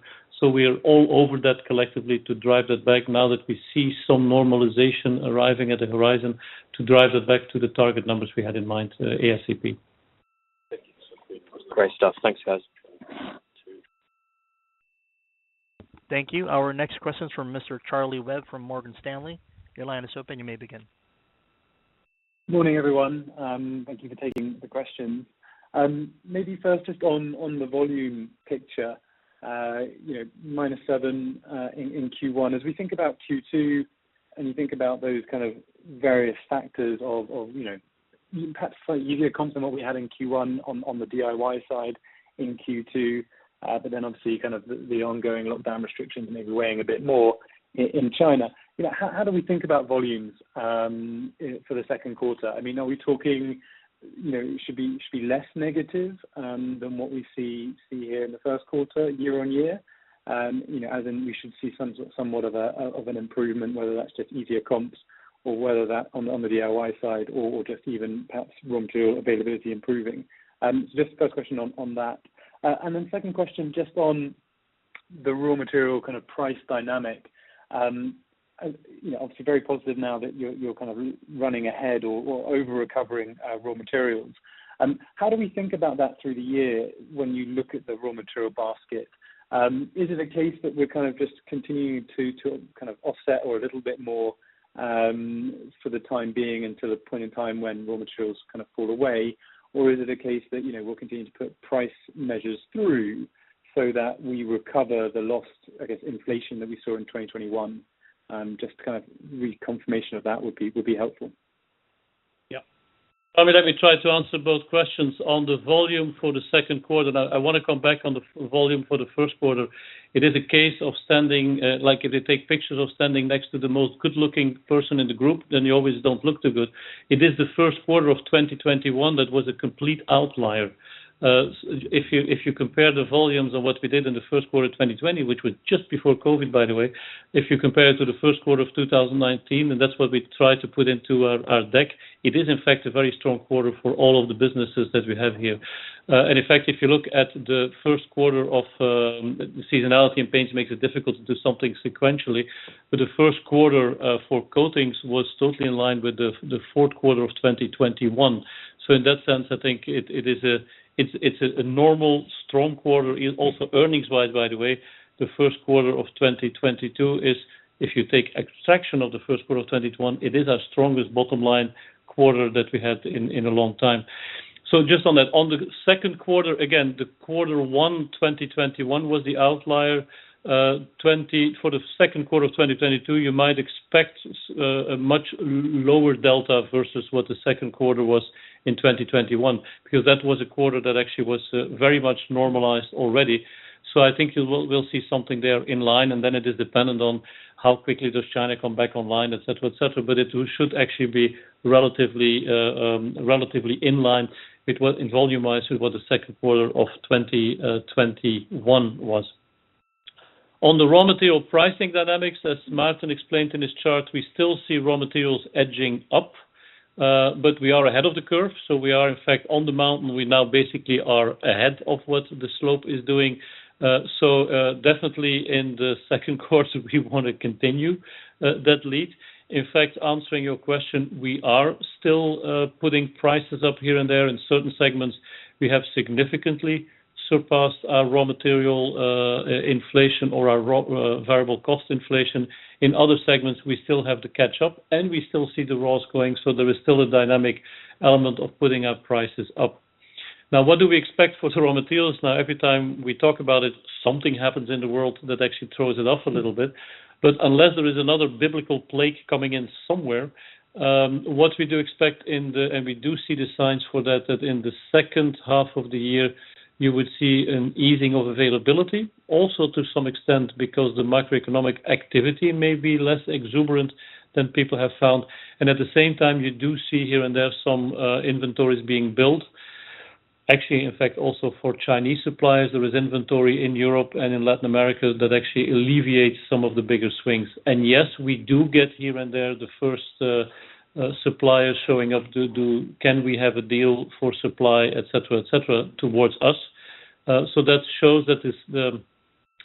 We are all over that collectively to drive that back now that we see some normalization arriving at the horizon to drive that back to the target numbers we had in mind, ASAP. Thank you. Great stuff. Thanks, guys. Thank you. Our next question is from Mr. Charlie Webb from Morgan Stanley. Your line is open. You may begin. Morning, everyone. Thank you for taking the questions. Maybe first just on the volume picture, you know, -7% in Q1. As we think about Q2, and you think about those kind of various factors of, you know, perhaps slightly easier comps than what we had in Q1 on the DIY side in Q2. Obviously, kind of the ongoing lockdown restrictions may be weighing a bit more in China. You know, how do we think about volumes for the second quarter? I mean, are we talking, you know, it should be less negative than what we see here in the first quarter year-on-year? You know, as in we should see somewhat of an improvement, whether that's just easier comps or whether that's on the DIY side or just even perhaps raw material availability improving. Just first question on that. Second question, just on the raw material kind of price dynamic. You know, obviously very positive now that you're kind of running ahead or over recovering raw materials. How do we think about that through the year when you look at the raw material basket? Is it a case that we're kind of just continuing to kind of offset or a little bit more for the time being until a point in time when raw materials kind of fall away? Is it a case that, you know, we'll continue to put price measures through so that we recover the lost, I guess, inflation that we saw in 2021? Just to kind of reconfirmation of that would be helpful. Yeah. Charlie, let me try to answer both questions. On the volume for the second quarter, now I wanna come back on the volume for the first quarter. It is a case of standing like if you take pictures of standing next to the most good-looking person in the group, then you always don't look too good. It is the first quarter of 2021 that was a complete outlier. If you compare the volumes of what we did in the first quarter of 2020, which was just before COVID, by the way, if you compare it to the first quarter of 2019, and that's what we tried to put into our deck, it is in fact a very strong quarter for all of the businesses that we have here. In fact, if you look at the first quarter, seasonality in paints makes it difficult to do something sequentially, but the first quarter for coatings was totally in line with the fourth quarter of 2021. In that sense, I think it is a normal strong quarter. Also earnings-wise, by the way, the first quarter of 2022 is, if you take exclusion of the first quarter of 2021, it is our strongest bottom line quarter that we had in a long time. Just on that. On the second quarter, again, the quarter one 2021 was the outlier. For the second quarter of 2022, you might expect a much lower delta versus what the second quarter was in 2021, because that was a quarter that actually was very much normalized already. I think we'll see something there in line, and then it is dependent on how quickly does China come back online, et cetera, et cetera. But it should actually be relatively in line volume-wise with what the second quarter of 2021 was. On the raw material pricing dynamics, as Martin explained in his chart, we still see raw materials edging up, but we are ahead of the curve, so we are, in fact, on the mountain. We now basically are ahead of what the slope is doing. Definitely in the second quarter, we wanna continue that lead. In fact, answering your question, we are still putting prices up here and there. In certain segments, we have significantly surpassed our raw material inflation or our raw variable cost inflation. In other segments, we still have to catch up, and we still see the raws going, so there is still a dynamic element of putting our prices up. Now, what do we expect for the raw materials? Now, every time we talk about it, something happens in the world that actually throws it off a little bit. Unless there is another biblical plague coming in somewhere, what we do expect, and we do see the signs for that, in the second half of the year, you would see an easing of availability. Also to some extent, because the macroeconomic activity may be less exuberant than people have found. At the same time, you do see here and there some inventories being built. Actually, in fact, also for Chinese suppliers, there is inventory in Europe and in Latin America that actually alleviates some of the bigger swings. Yes, we do get here and there the first suppliers showing up to can we have a deal for supply, et cetera, et cetera, towards us. That shows that this the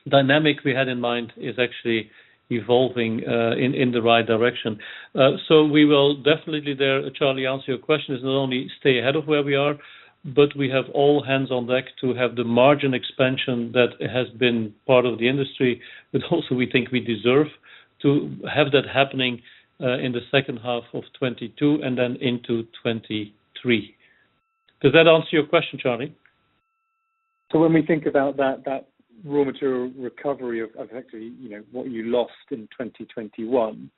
dynamic we had in mind is actually evolving in the right direction. We will definitely be there, Charlie, to answer your question. It is not only to stay ahead of where we are, but we have all hands on deck to have the margin expansion that has been part of the industry, but also we think we deserve to have that happening in the second half of 2022 and then into 2023. Does that answer your question, Charlie? When we think about that raw material recovery of actually, you know, what you lost in 2021,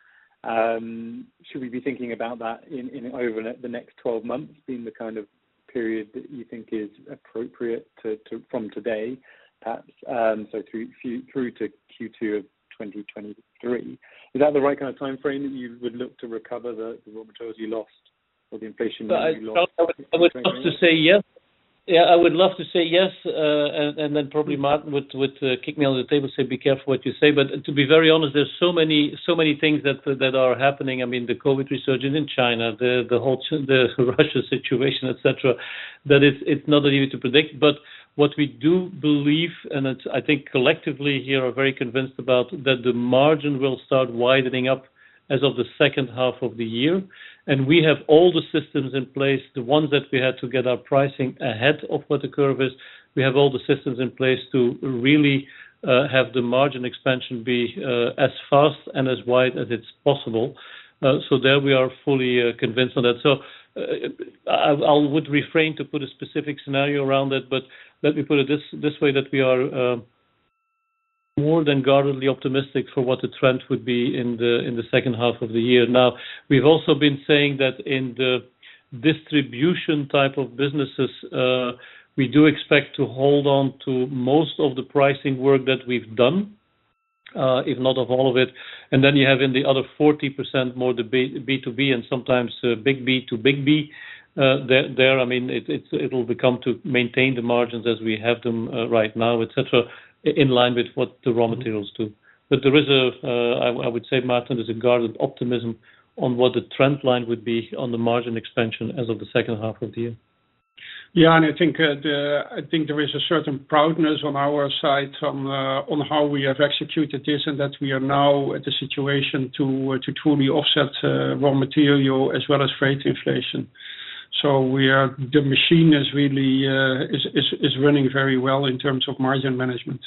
should we be thinking about that in over the next 12 months, being the kind of period that you think is appropriate to from today, perhaps, so through to Q2 of 2023? Is that the right kind of time frame that you would look to recover the raw materials you lost or the inflation you lost? I would love to say yes. Yeah, I would love to say yes, and then probably Maarten would kick me under the table, say, "Be careful what you say." To be very honest, there's so many things that are happening. I mean, the COVID resurgence in China, the whole Russia situation, et cetera, that it's not on you to predict. What we do believe, and it's I think collectively here are very convinced about, that the margin will start widening up as of the second half of the year. We have all the systems in place, the ones that we had to get our pricing ahead of what the curve is. We have all the systems in place to really have the margin expansion be as fast and as wide as it's possible. There we are fully convinced on that. I would refrain to put a specific scenario around that, but let me put it this way, that we are more than guardedly optimistic for what the trend would be in the second half of the year. Now, we've also been saying that in the distribution type of businesses, we do expect to hold on to most of the pricing work that we've done, if not all of it. You have in the other 40% more the B2B, and sometimes big B to big B there. I mean, it'll become to maintain the margins as we have them right now, et cetera, in line with what the raw materials do. I would say, Maarten, there's a guarded optimism on what the trend line would be on the margin expansion as of the second half of the year. I think there is a certain proudness on our side on how we have executed this, and that we are now at the situation to truly offset raw material as well as freight inflation. The machine is really running very well in terms of margin management.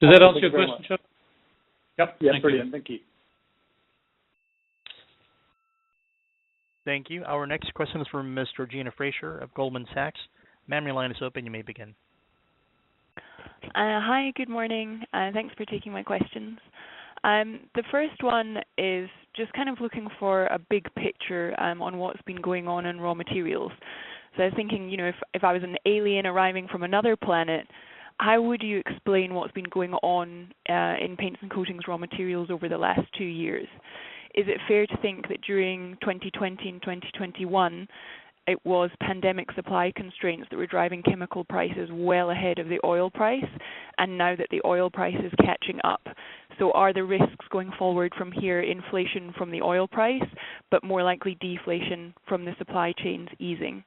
Does that answer your question, Charlie? Yep. Thank you. Thank you. Thank you. Our next question is from Miss Georgina Fraser of Goldman Sachs. Ma'am, your line is open. You may begin. Hi, good morning, and thanks for taking my questions. The first one is just kind of looking for a big picture, on what's been going on in raw materials. I was thinking, you know, if I was an alien arriving from another planet, how would you explain what's been going on in paints and coatings raw materials over the last two years? Is it fair to think that during 2020 and 2021, it was pandemic supply constraints that were driving chemical prices well ahead of the oil price, and now that the oil price is catching up? Are the risks going forward from here inflation from the oil price, but more likely deflation from the supply chains easing?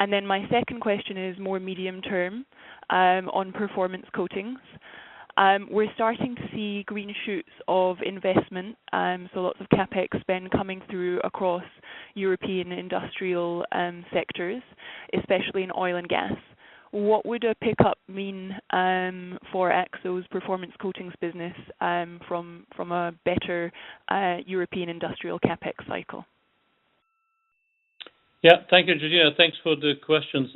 And then my second question is more medium-term, on Performance Coatings. We're starting to see green shoots of investment, so lots of CapEx spend coming through across European industrial sectors, especially in oil and gas. What would a pickup mean for Akzo's Performance Coatings business from a better European industrial CapEx cycle? Yeah. Thank you, Georgina. Thanks for the questions.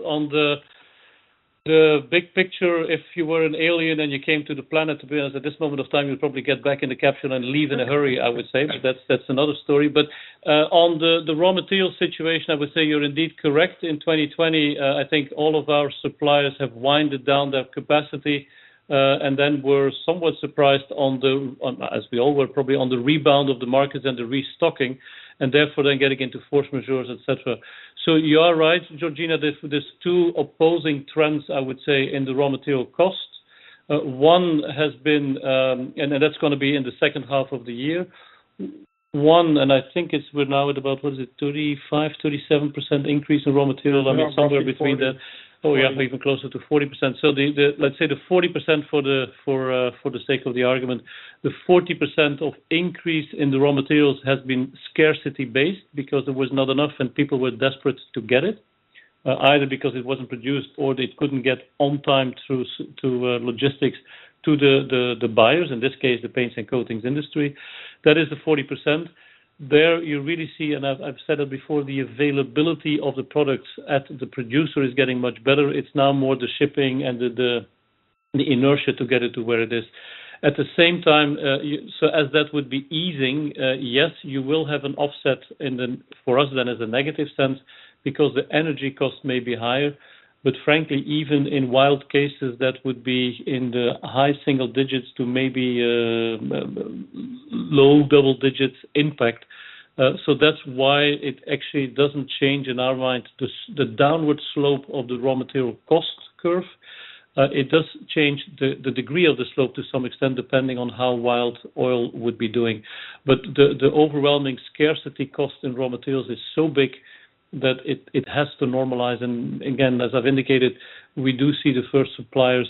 On the big picture, if you were an alien and you came to the planet, to be honest, at this moment of time, you'd probably get back in the capsule and leave in a hurry, I would say. That's another story. On the raw material situation, I would say you're indeed correct. In 2020, I think all of our suppliers have winded down their capacity, and then were somewhat surprised on the—as we all were, probably, on the rebound of the markets and the restocking, and therefore then getting into force majeure, etc. You are right, Georgina. There's two opposing trends, I would say, in the raw material costs. One has been. And that's gonna be in the second half of the year. One, I think we're now at about, what is it, 35, 37% increase in raw material. I mean, somewhere between that. We are probably 40. Oh, yeah. We're even closer to 40%. Let's say the 40% for the sake of the argument. The 40% of increase in the raw materials has been scarcity-based because there was not enough and people were desperate to get it, either because it wasn't produced or they couldn't get on time through to logistics to the buyers, in this case, the paints and coatings industry. That is the 40%. There you really see, and I've said it before, the availability of the products at the producer is getting much better. It's now more the shipping and the inertia to get it to where it is. At the same time, you will have an offset for us then as a negative sense because the energy cost may be higher. But frankly, even in wild cases, that would be in the high single digits to maybe low double digits impact. That's why it actually doesn't change in our mind, the downward slope of the raw material cost curve. It does change the degree of the slope to some extent, depending on how wild oil would be doing. But the overwhelming scarcity cost in raw materials is so big that it has to normalize. Again, as I've indicated, we do see the first suppliers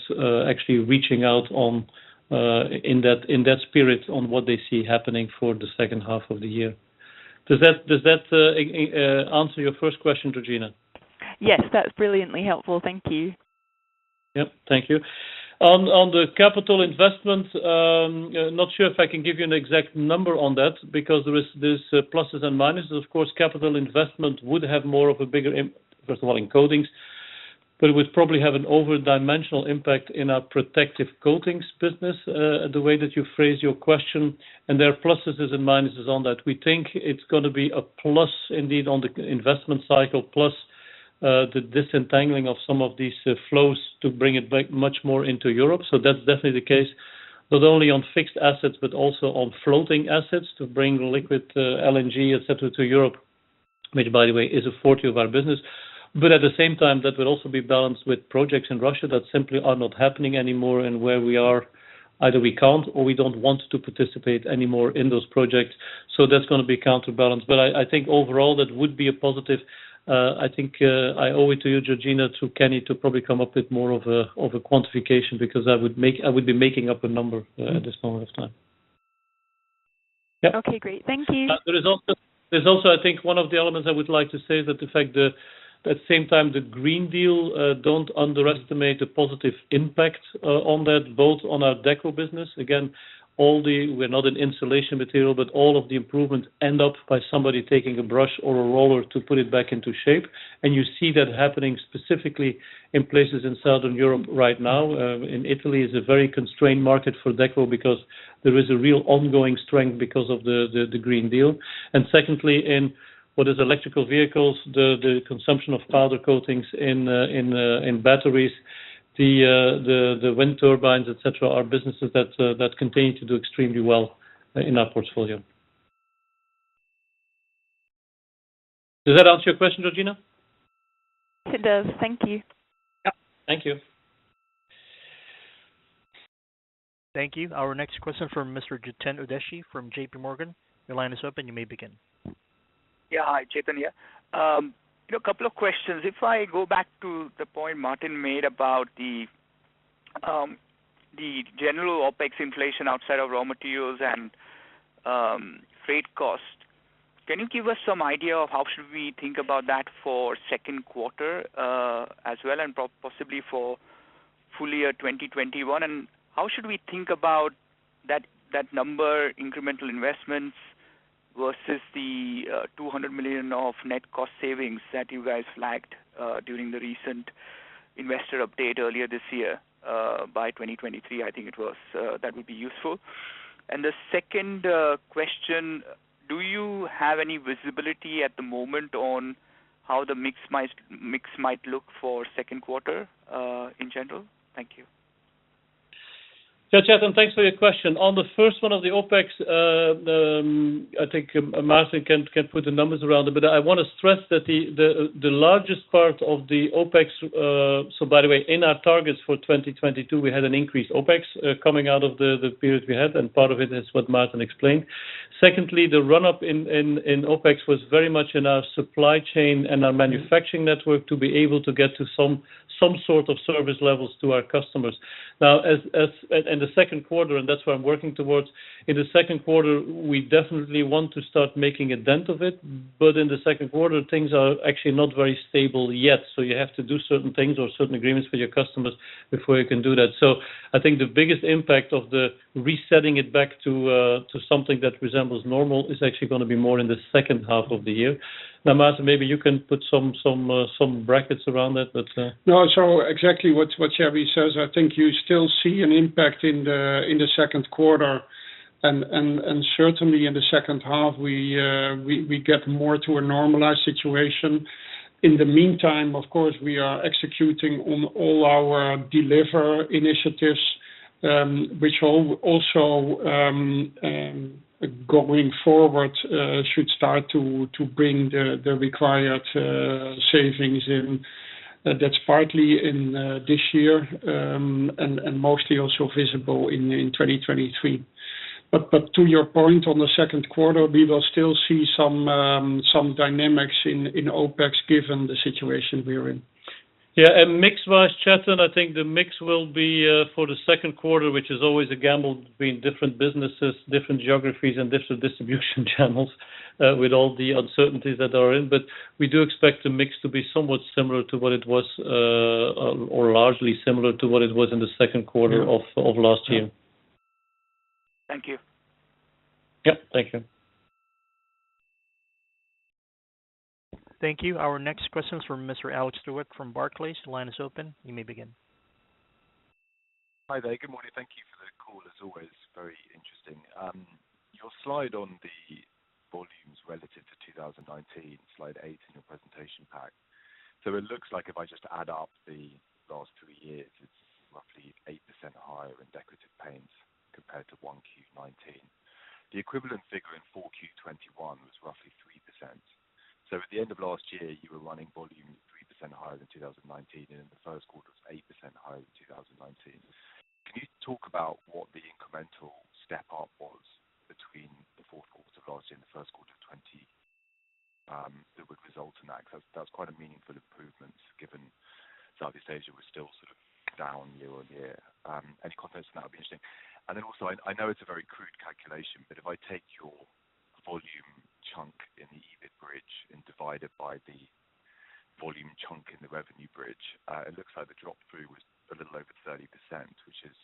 actually reaching out on in that spirit on what they see happening for the second half of the year. Does that answer your first question, Georgina? Yes, that's brilliantly helpful. Thank you. Yep. Thank you. On the capital investment, not sure if I can give you an exact number on that because there is these pluses and minuses. Of course, capital investment would have more of a bigger impact first of all, in coatings. It would probably have an over-dimensional impact in our protective coatings business, the way that you phrased your question, and there are pluses and minuses on that. We think it's gonna be a plus indeed on the investment cycle, plus, the disentangling of some of these flows to bring it back much more into Europe. That's definitely the case, not only on fixed assets, but also on floating assets to bring liquid LNG, et cetera, to Europe, which, by the way, is 40% of our business. At the same time, that will also be balanced with projects in Russia that simply are not happening anymore and where we are, either we can't, or we don't want to participate anymore in those projects. That's gonna be counterbalanced. I think overall, that would be a positive. I think I owe it to you, Georgina, through Kenny, to probably come up with more of a quantification, because I would be making up a number at this moment of time. Yep. Okay, great. Thank you. There's also, I think one of the elements I would like to say that the fact that at the same time, the European Green Deal, don't underestimate the positive impact on that, both on our deco business. Again, all the improvements end up by somebody taking a brush or a roller to put it back into shape. You see that happening specifically in places in Southern Europe right now. In Italy is a very constrained market for deco because there is a real ongoing strength because of the European Green Deal. Secondly, in what is electric vehicles, the consumption of powder coatings in batteries, the wind turbines, et cetera, are businesses that continue to do extremely well in our portfolio. Does that answer your question, Georgina? It does. Thank you. Yep. Thank you. Thank you. Our next question from Mr. Chetan Udeshi from JPMorgan. Your line is open. You may begin. Yeah. Hi, Chetan Udeshi here. A couple of questions. If I go back to the point Maarten de Vries made about the general OpEx inflation outside of raw materials and freight cost, can you give us some idea of how we should think about that for second quarter as well, and possibly for full year 2021? How should we think about that number incremental investments versus the 200 million of net cost savings that you guys flagged during the recent investor update earlier this year by 2023, I think it was. That would be useful. The second question, do you have any visibility at the moment on how the mix might look for second quarter in general? Thank you. Chetan, thanks for your question. On the first one of the OpEx, I think Maarten can put the numbers around it, but I want to stress that the largest part of the OpEx. By the way, in our targets for 2022, we had an increased OpEx coming out of the period we had, and part of it is what Maarten explained. Secondly, the run-up in OpEx was very much in our supply chain and our manufacturing network to be able to get to some sort of service levels to our customers. Now, in the second quarter, and that's what I'm working towards, in the second quarter, we definitely want to start making a dent in it, but in the second quarter, things are actually not very stable yet. You have to do certain things or certain agreements with your customers before you can do that. I think the biggest impact of the resetting it back to something that resembles normal is actually gonna be more in the second half of the year. Now, Martin, maybe you can put some brackets around that, but. No. Exactly what Thierry says. I think you still see an impact in the second quarter, and certainly in the second half, we get more to a normalized situation. In the meantime, of course, we are executing on all our delivery initiatives, which also, going forward, should start to bring the required savings in. That's partly in this year, and mostly also visible in 2023. To your point on the second quarter, we will still see some dynamics in OpEx given the situation we're in. Yeah. Mix-wise, Chetan, I think the mix will be for the second quarter, which is always a gamble between different businesses, different geographies, and different distribution channels with all the uncertainties that are in. We do expect the mix to be somewhat similar to what it was or largely similar to what it was in the second quarter of last year. Thank you. Yep. Thank you. Thank you. Our next question is from Mr. Alex Stewart from Barclays. The line is open. You may begin. Hi there. Good morning. Thank you for the call. As always, very interesting. Your slide on the volumes relative to 2019, Slide eight in your presentation pack. It looks like if I just add up the last two years, it's roughly 8% higher in Decorative Paints compared to 1Q 2019. The equivalent figure in 4Q 2021 was roughly 3%. At the end of last year, you were running volume 3% higher than 2019, and in the first quarter, it was 8% higher than 2019. Can you talk about what the incremental step-up was between the fourth quarter of last year and the first quarter of 2022 that would result in that? Because that was quite a meaningful improvement given Southeast Asia was still sort of down year-on-year. Any comments on that would be interesting. Then also, I know it's a very crude calculation, but if I take your volume chunk in the EBIT bridge and divide it by the volume chunk in the revenue bridge, it looks like the drop through was a little over 30%, which is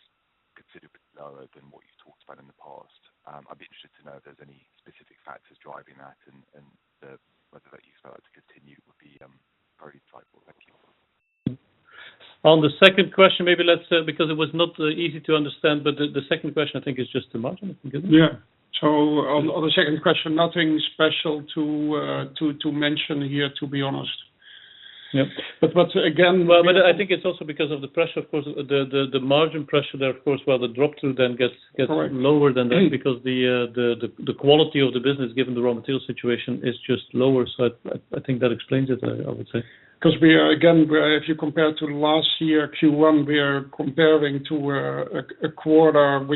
considerably lower than what you've talked about in the past. I'd be interested to know if there's any specific factors driving that and whether you expect that to continue would be very insightful. Thank you. On the second question, maybe let's, because it was not easy to understand, but the second question I think is just the margin. Is that good? Yeah. On the second question, nothing special to mention here, to be honest. Yep. Again. Well, I think it's also because of the pressure, of course, the margin pressure there, of course, where the drop-through then gets. Correct... lower than that because the quality of the business, given the raw material situation, is just lower. I think that explains it, I would say. 'Cause if you compare to last year, Q1, we are comparing to a quarter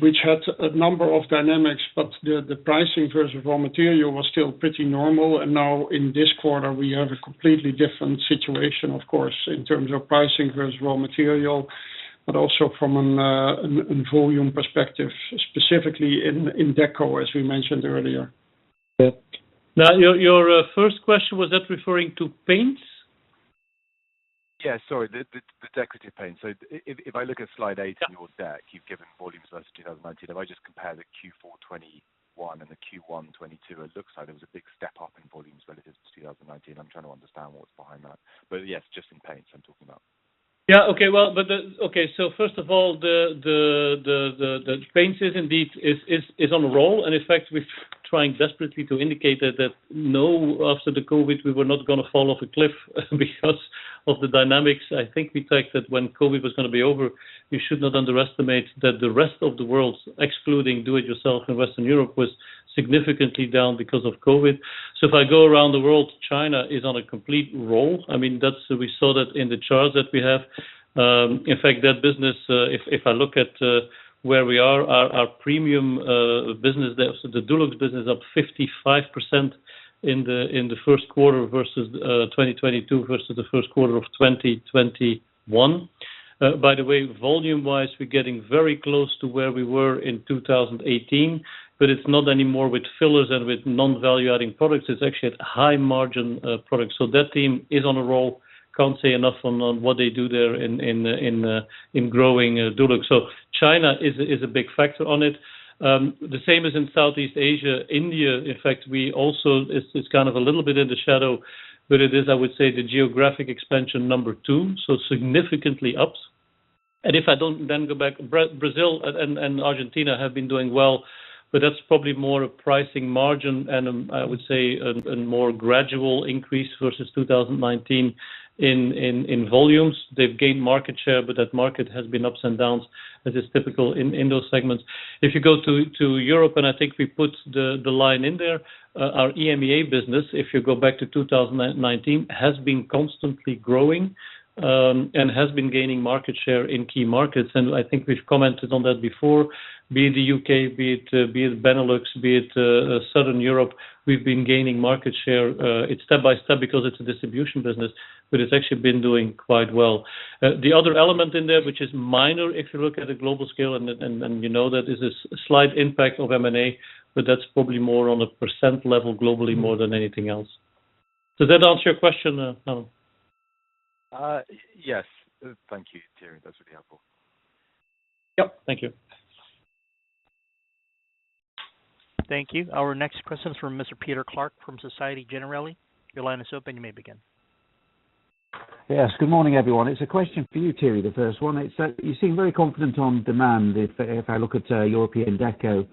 which had a number of dynamics, but the pricing versus raw material was still pretty normal. Now in this quarter, we have a completely different situation, of course, in terms of pricing versus raw material, but also from a volume perspective, specifically in deco, as we mentioned earlier. Yeah. Now your first question, was that referring to paints? Sorry, the Decorative Paints. If I look at Slide eight in your deck. Yeah... you've given volumes versus 2019. If I just compare the Q4 2021 and the Q1 2022, it looks like there was a big step up in volumes relative to 2019. I'm trying to understand what's behind that. Yes, just in paints I'm talking about. Okay, so first of all, the paints is indeed on a roll. In fact, we're trying desperately to indicate that no, after the COVID, we were not gonna fall off a cliff because of the dynamics. I think we take that when COVID was gonna be over, you should not underestimate that the rest of the world, excluding do it yourself in Western Europe, was significantly down because of COVID. If I go around the world, China is on a complete roll. I mean, that's. We saw that in the charts that we have. In fact, that business, if I look at where we are, our premium business there, so the Dulux business up 55% in the first quarter versus 2022 versus the first quarter of 2021. By the way, volume-wise, we're getting very close to where we were in 2018, but it's not anymore with fillers and with non-value adding products. It's actually at high margin products. That team is on a roll. Can't say enough on what they do there in growing Dulux. China is a big factor on it. The same as in Southeast Asia. India, in fact, we also. It's kind of a little bit in the shadow, but it is, I would say, the geographic expansion number two, so significantly up. If I now then go back, Brazil and Argentina have been doing well, but that's probably more a pricing margin and I would say a more gradual increase versus 2019 in volumes. They've gained market share, but that market has been ups and downs as is typical in those segments. If you go to Europe, and I think we put the line in there, our EMEA business, if you go back to 2019, has been constantly growing, and has been gaining market share in key markets. I think we've commented on that before, be it the U.K., be it Benelux, be it Southern Europe, we've been gaining market share. It's step by step because it's a distribution business, but it's actually been doing quite well. The other element in there, which is minor if you look at a global scale and you know that is a slight impact of M&A, but that's probably more on a 1% level globally more than anything else. Does that answer your question, Alex Stewart? Yes. Thank you, Thierry. That's really helpful. Yep. Thank you. Thank you. Our next question is from Mr. Peter Clark from Société Générale. Your line is open. You may begin. Yes. Good morning, everyone. It's a question for you, Thierry, the first one. You seem very confident on demand if I look at European Deco,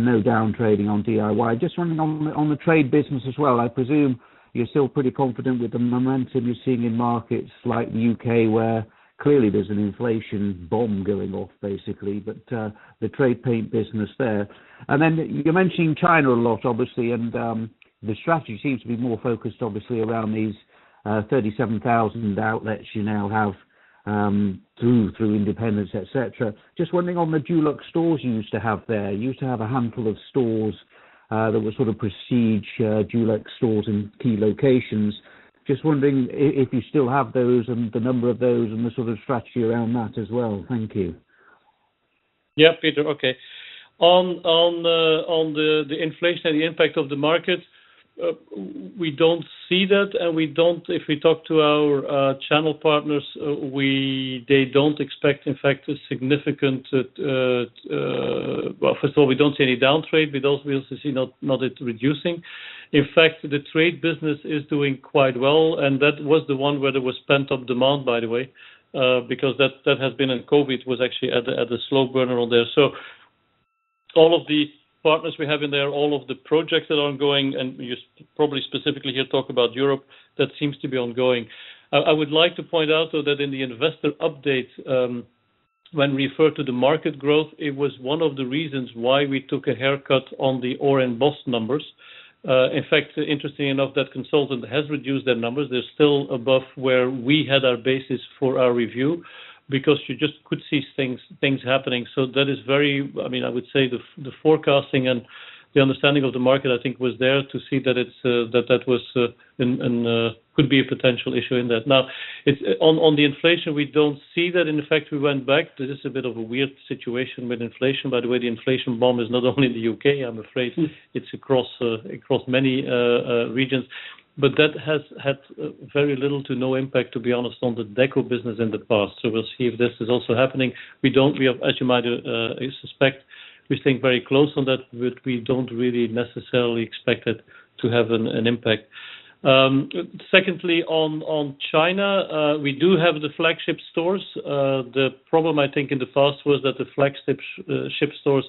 no down trading on DIY. Just wondering on the trade business as well, I presume you're still pretty confident with the momentum you're seeing in markets like U.K., where clearly there's an inflation bomb going off basically. The trade paint business there. You're mentioning China a lot, obviously. The strategy seems to be more focused, obviously, around these 37,000 outlets you now have through independents, et cetera. Just wondering on the Dulux stores you used to have there. You used to have a handful of stores that were sort of prestige Dulux stores in key locations. Just wondering if you still have those and the number of those and the sort of strategy around that as well? Thank you. Yeah. Peter. Okay. On the inflation and the impact of the market, we don't see that, and we don't. If we talk to our channel partners, they don't expect, in fact, a significant. Well, first of all, we don't see any down trade. We also see not it reducing. In fact, the trade business is doing quite well, and that was the one where there was pent-up demand, by the way, because that had been in COVID was actually at a slow burner on there. So all of the partners we have in there, all of the projects that are ongoing, and you probably specifically here talk about Europe, that seems to be ongoing. I would like to point out, though, that in the investor update, when referred to the market growth, it was one of the reasons why we took a haircut on the Orr & Boss numbers. In fact, interestingly enough, that consultant has reduced their numbers. They're still above where we had our basis for our review because you just could see things happening. That is very I mean, I would say the forecasting and the understanding of the market, I think was there to see that it was and could be a potential issue in that. Now, on the inflation, we don't see that. In fact, we went back. This is a bit of a weird situation with inflation. By the way, the inflation bomb is not only in the U.K., I'm afraid. It's across many regions. That has had very little to no impact, to be honest, on the deco business in the past. We'll see if this is also happening. We have, as you might suspect, we think very close on that, but we don't really necessarily expect it to have an impact. Secondly, on China, we do have the flagship stores. The problem I think in the past was that the flagship stores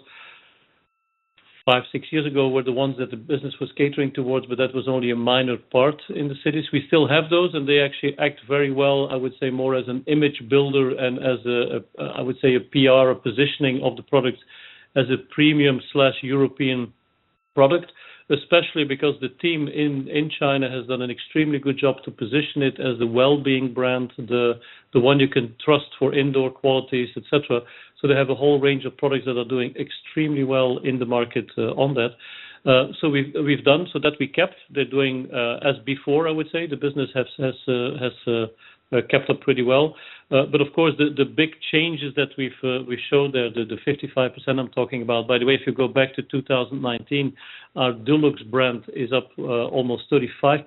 5, 6 years ago were the ones that the business was catering towards, but that was only a minor part in the cities. We still have those, and they actually act very well. I would say more as an image builder and as a PR or positioning of the products as a premium European product, especially because the team in China has done an extremely good job to position it as a well-being brand, the one you can trust for indoor qualities, et cetera. They have a whole range of products that are doing extremely well in the market on that. We've done so that we kept. They're doing as before, I would say. The business has kept up pretty well. But of course, the big changes that we've shown there, the 55% I'm talking about. By the way, if you go back to 2019, our Dulux brand is up almost 35%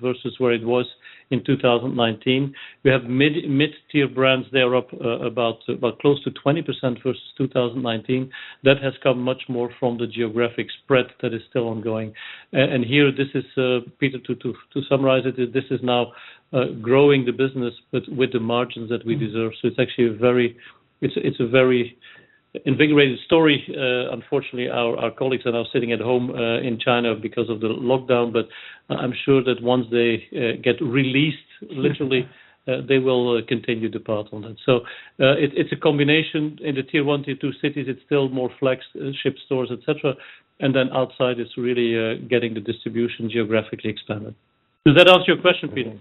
versus where it was in 2019. We have mid-tier brands. They are up about close to 20% versus 2019. That has come much more from the geographic spread that is still ongoing. Here, this is Peter, to summarize it, this is now growing the business with the margins that we deserve. It's actually a very invigorating story. Unfortunately, our colleagues are now sitting at home in China because of the lockdown, but I'm sure that once they get released, literally, they will continue the path on it. It's a combination. In the tier one, tier two cities, it's still more flagship stores, et cetera, and then outside it's really getting the distribution geographically expanded. Does that answer your question, Peter?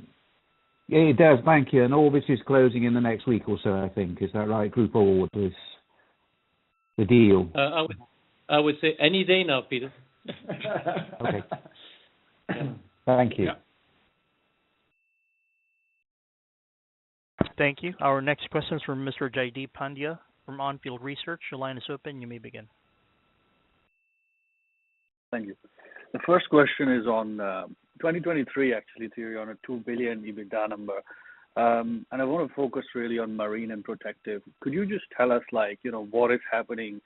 Yeah, it does. Thank you. All this is closing in the next week or so, I think. Is that right, Grupo Orbis with this, the deal? I would say any day now, Peter. Okay. Thank you. Yeah. Thank you. Our next question is from Mr. Jaideep Pandya from On Field Investment Research. Your line is open. You may begin. Thank you. The first question is on 2023, actually, Thierry on a 2 billion EBITDA number. And I wanna focus really on marine and protective. Could you just tell us, like, you know, what is happening,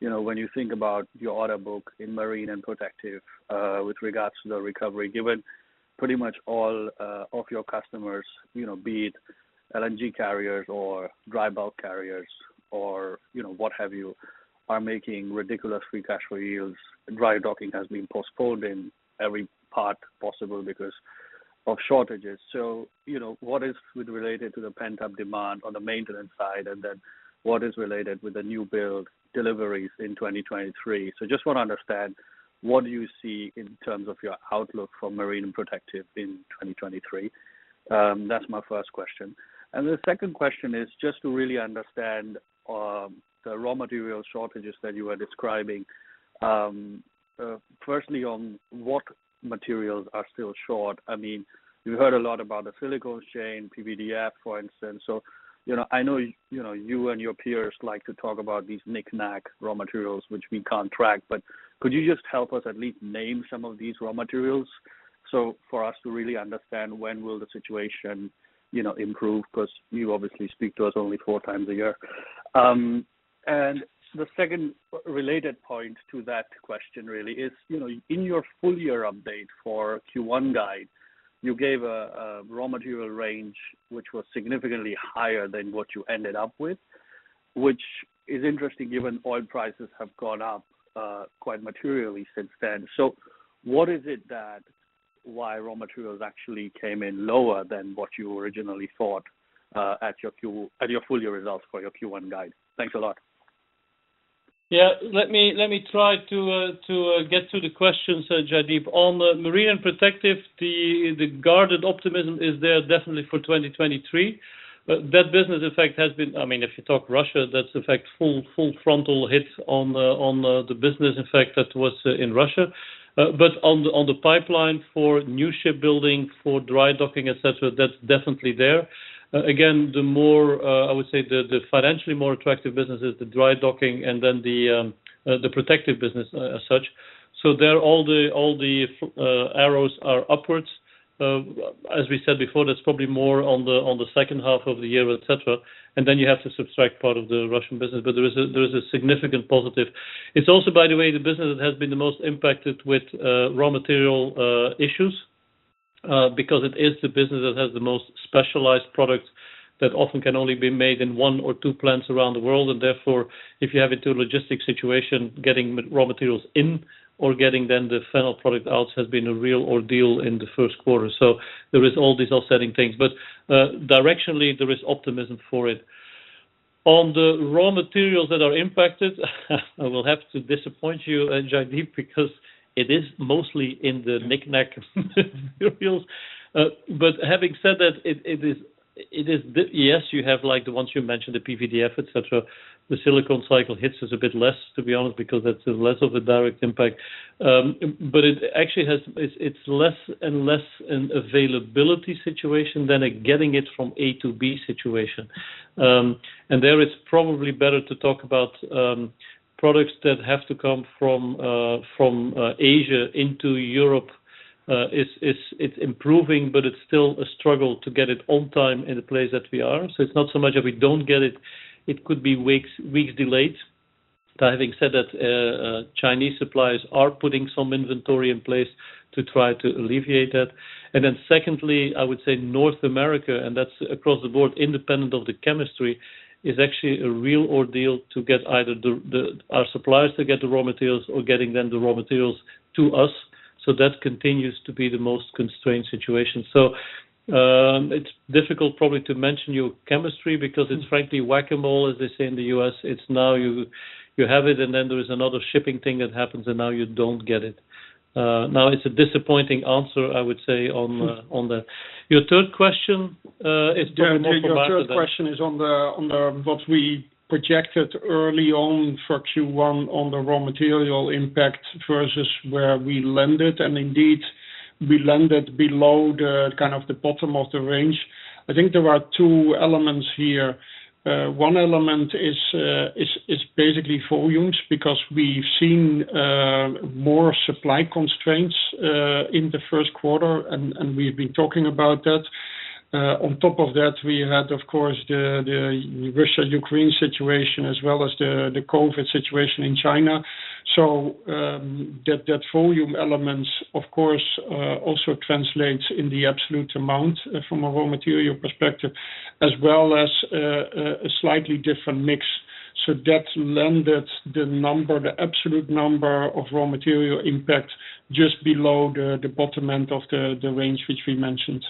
you know, when you think about your order book in marine and protective, with regards to the recovery, given pretty much all of your customers, you know, be it LNG carriers or dry bulk carriers or, you know, what have you, are making ridiculous free cash flow yields. Dry docking has been postponed in every part possible because of shortages. You know, what is with related to the pent-up demand on the maintenance side, and then what is related with the new build deliveries in 2023? Just want to understand what you see in terms of your outlook for marine and protective in 2023. That's my first question. The second question is just to really understand the raw material shortages that you were describing. Firstly, on what materials are still short. I mean, we heard a lot about the silicone chain, PVDF, for instance. So, you know, I know, you know, you and your peers like to talk about these knick-knack raw materials which we can't track. But could you just help us at least name some of these raw materials so for us to really understand when will the situation, you know, improve? 'Cause you obviously speak to us only four times a year. The second related point to that question really is, you know, in your full-year update for Q1 guide, you gave a raw material range which was significantly higher than what you ended up with, which is interesting given oil prices have gone up quite materially since then. What is it that why raw materials actually came in lower than what you originally thought at your full-year results for your Q1 guide? Thanks a lot. Let me try to get to the question, Jaideep. On Marine and Protective, the guarded optimism is there definitely for 2023. But that business has been affected. I mean, if you talk Russia, that's a full frontal hit on the business that was in Russia. But on the pipeline for new shipbuilding, for dry docking, et cetera, that's definitely there. Again, I would say the financially more attractive businesses, the dry docking and then the Protective business as such. So there, all the arrows are upwards. As we said before, there's probably more in the second half of the year, et cetera, and then you have to subtract part of the Russian business. There is a significant positive. It's also, by the way, the business that has been the most impacted with raw material issues because it is the business that has the most specialized products that often can only be made in one or two plants around the world. Therefore, if you have a total logistics situation, getting raw materials in or getting the final product out has been a real ordeal in the first quarter. There are all these offsetting things, but directionally, there is optimism for it. On the raw materials that are impacted, I will have to disappoint you, Jaideep, because it is mostly in the knick-knack materials. But having said that, it is. Yes, you have like the ones you mentioned, the PVDF, et cetera. The silicone cycle hits us a bit less, to be honest, because that's less of a direct impact. It's less and less an availability situation than a getting it from A to B situation. There is probably better to talk about products that have to come from Asia into Europe. It's improving, but it's still a struggle to get it on time in the place that we are. It's not so much that we don't get it could be weeks delayed. Having said that, Chinese suppliers are putting some inventory in place to try to alleviate that. Secondly, I would say North America, and that's across the board, independent of the chemistry, is actually a real ordeal to get either our suppliers to get the raw materials or getting the raw materials to us. That continues to be the most constrained situation. It's difficult probably to mention one chemistry because it's frankly whack-a-mole, as they say in the U.S. It's now you have it, and then there is another shipping thing that happens, and now you don't get it. Now it's a disappointing answer, I would say on the. Your third question is more for Maarten de Vries or that? Yeah. Your third question is on what we projected early on for Q1 on the raw material impact versus where we landed. Indeed, we landed below the kind of the bottom of the range. I think there are two elements here. One element is basically volumes, because we've seen more supply constraints in the first quarter, and we've been talking about that. On top of that, we had, of course, the Russia-Ukraine situation as well as the COVID situation in China. That volume elements, of course, also translates in the absolute amount from a raw material perspective, as well as a slightly different mix. That landed the number, the absolute number of raw material impact just below the bottom end of the range which we mentioned.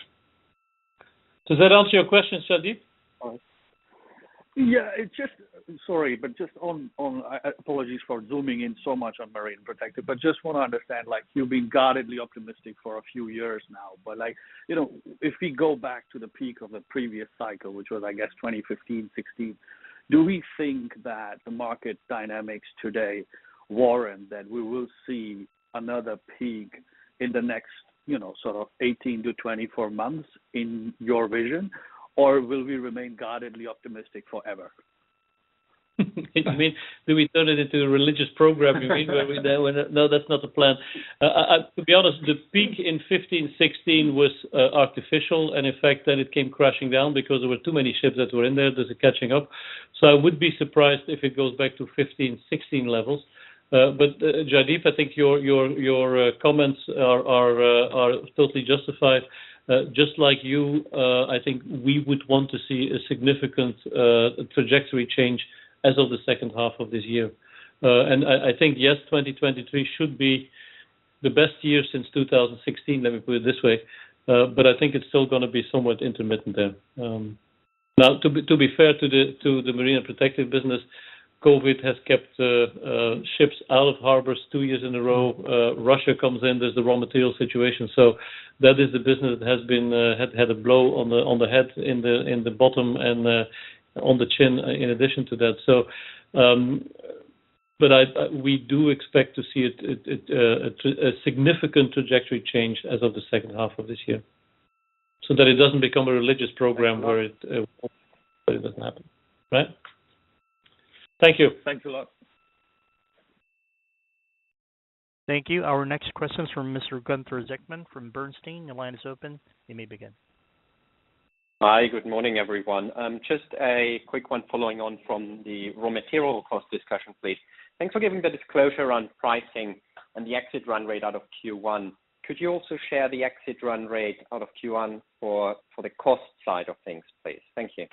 Does that answer your question, Jaideep? Sorry, apologies for zooming in so much on Marine and Protective, but I just want to understand, like, you've been guardedly optimistic for a few years now. Like, you know, if we go back to the peak of the previous cycle, which was, I guess, 2015, 2016, do we think that the market dynamics today warrant that we will see another peak in the next, you know, sort of 18-24 months in your vision? Or will we remain guardedly optimistic forever? You mean, do we turn it into a religious program, you mean? No, that's not the plan. To be honest, the peak in 15, 16 was artificial, and in fact, then it came crashing down because there were too many ships that were in there. There's a catching up. I would be surprised if it goes back to 15, 16 levels. Jaideep, I think your comments are totally justified. Just like you, I think we would want to see a significant trajectory change as of the second half of this year. I think, yes, 2023 should be the best year since 2016, let me put it this way. I think it's still gonna be somewhat intermittent then. Now to be fair to the Marine and Protective business, COVID has kept ships out of harbors two years in a row. Russia comes in, there's the raw material situation. That is the business that has had a blow on the head, in the bottom, and on the chin in addition to that. But we do expect to see a significant trajectory change as of the second half of this year, so that it doesn't become a religious program where but it doesn't happen. Right. Thank you. Thanks a lot. Thank you. Our next question is from Mr. Gunther Zechmann from Bernstein. Your line is open. You may begin. Hi. Good morning, everyone. Just a quick one following on from the raw material cost discussion, please. Thanks for giving the disclosure on pricing and the exit run rate out of Q1. Could you also share the exit run rate out of Q1 for the cost side of things, please? Thank you.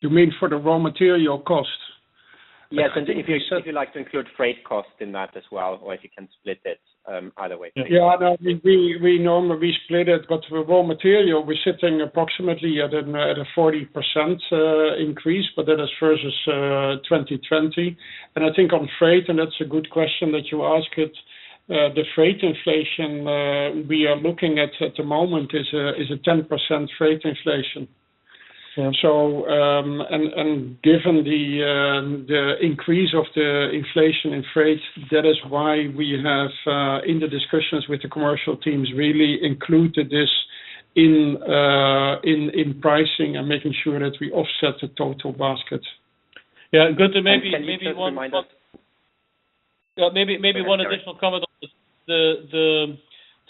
You mean for the raw material costs? Yes. If you'd like to include freight costs in that as well, or if you can split it, either way. Thank you. Yeah. No, we normally split it, but for raw material, we're sitting approximately at a 40% increase, but that is versus 2020. I think on freight, that's a good question that you asked, the freight inflation we are looking at the moment is a 10% freight inflation. Yeah. Given the increase in inflation in freight, that is why we have in the discussions with the commercial teams, really included this in pricing and making sure that we offset the total basket. Yeah, Gunther, maybe Can you just remind us? Yeah, maybe one additional comment on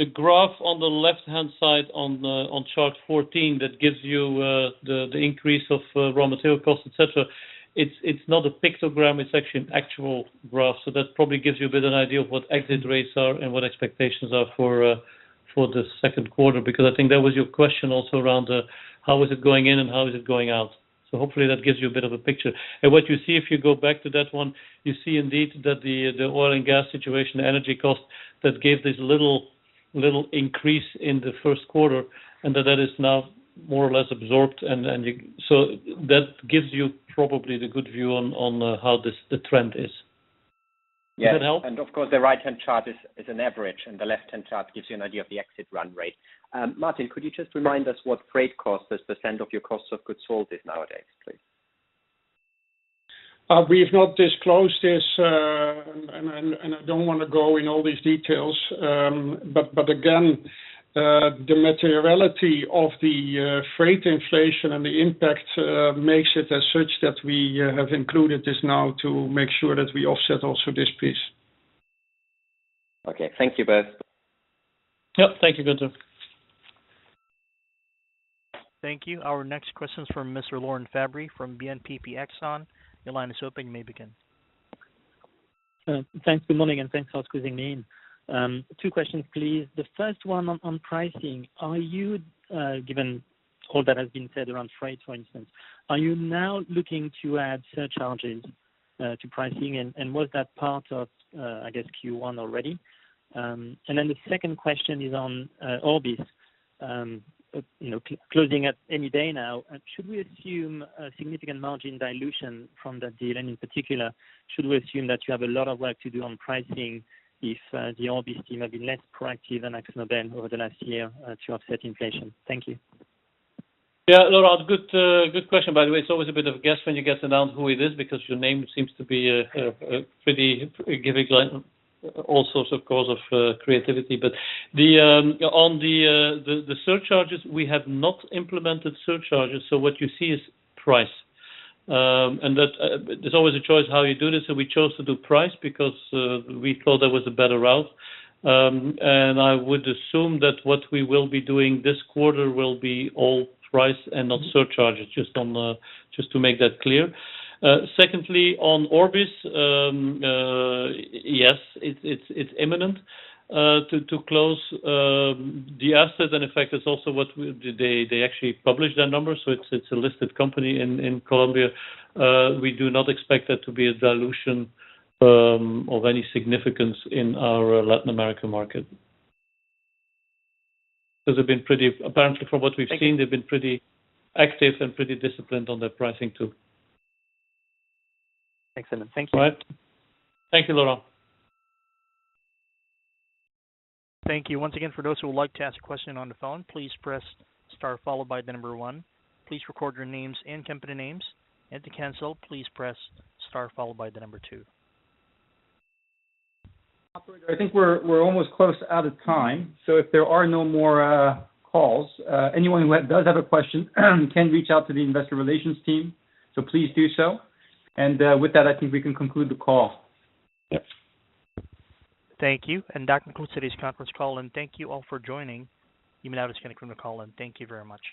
the graph on the left-hand side on chart 14 that gives you the increase of raw material costs, et cetera. It's not a pictogram, it's actually an actual graph. That probably gives you a bit of an idea of what exit rates are and what expectations are for the second quarter, because I think that was your question also around how is it going in and how is it going out. Hopefully that gives you a bit of a picture. What you see if you go back to that one, you see indeed that the oil and gas situation, energy costs, that gave this little increase in the first quarter, and that is now more or less absorbed. You That gives you probably a good view on how the trend is. Yes. Does that help? Of course, the right-hand chart is an average, and the left-hand chart gives you an idea of the exit run rate. Maarten, could you just remind us what freight cost as % of your cost of goods sold is nowadays, please? We've not disclosed this, and I don't wanna go in all these details. But again, the materiality of the freight inflation and the impact makes it as such that we have included this now to make sure that we offset also this piece. Okay. Thank you both. Yep. Thank you, Gunther. Thank you. Our next question is from Mr. Laurent Favre from BNP Paribas Exane. Your line is open. You may begin. Thanks. Good morning, and thanks for squeezing me in. Two questions, please. The first one on pricing. Given all that has been said around freight, for instance, are you now looking to add surcharges to pricing? Was that part of, I guess Q1 already? Then the second question is on Orbis, you know, closing any day now. Should we assume a significant margin dilution from that deal? In particular, should we assume that you have a lot of work to do on pricing if the Orbis team have been less proactive than AkzoNobel over the last year to offset inflation? Thank you. Yeah. Laurent, good question. By the way, it's always a bit of a guess when you guys announce who it is, because your name seems to be a pretty forgiving, like all sorts of cause for creativity. On the surcharges, we have not implemented surcharges, so what you see is price. There's always a choice how you do this, so we chose to do price because we thought that was a better route. I would assume that what we will be doing this quarter will be all price and not surcharges, just to make that clear. Secondly, on Orbis, yes, it's imminent to close the asset. In fact, that's also what they actually publish their numbers, so it's a listed company in Colombia. We do not expect there to be a dilution of any significance in our Latin American market. 'Cause they've been pretty apparently, from what we've seen. Thank you. They've been pretty active and pretty disciplined on their pricing too. Excellent. Thank you. All right. Thank you, Laurent. Thank you. Once again, for those who would like to ask a question on the phone, please press star followed by the number one. Please record your names and company names. And to cancel, please press star followed by the number two. I think we're almost out of time. If there are no more calls, anyone who does have a question can reach out to the investor relations team, so please do so. With that, I think we can conclude the call. Thank you. That concludes today's conference call. Thank you all for joining. You may now disconnect from the call, and thank you very much.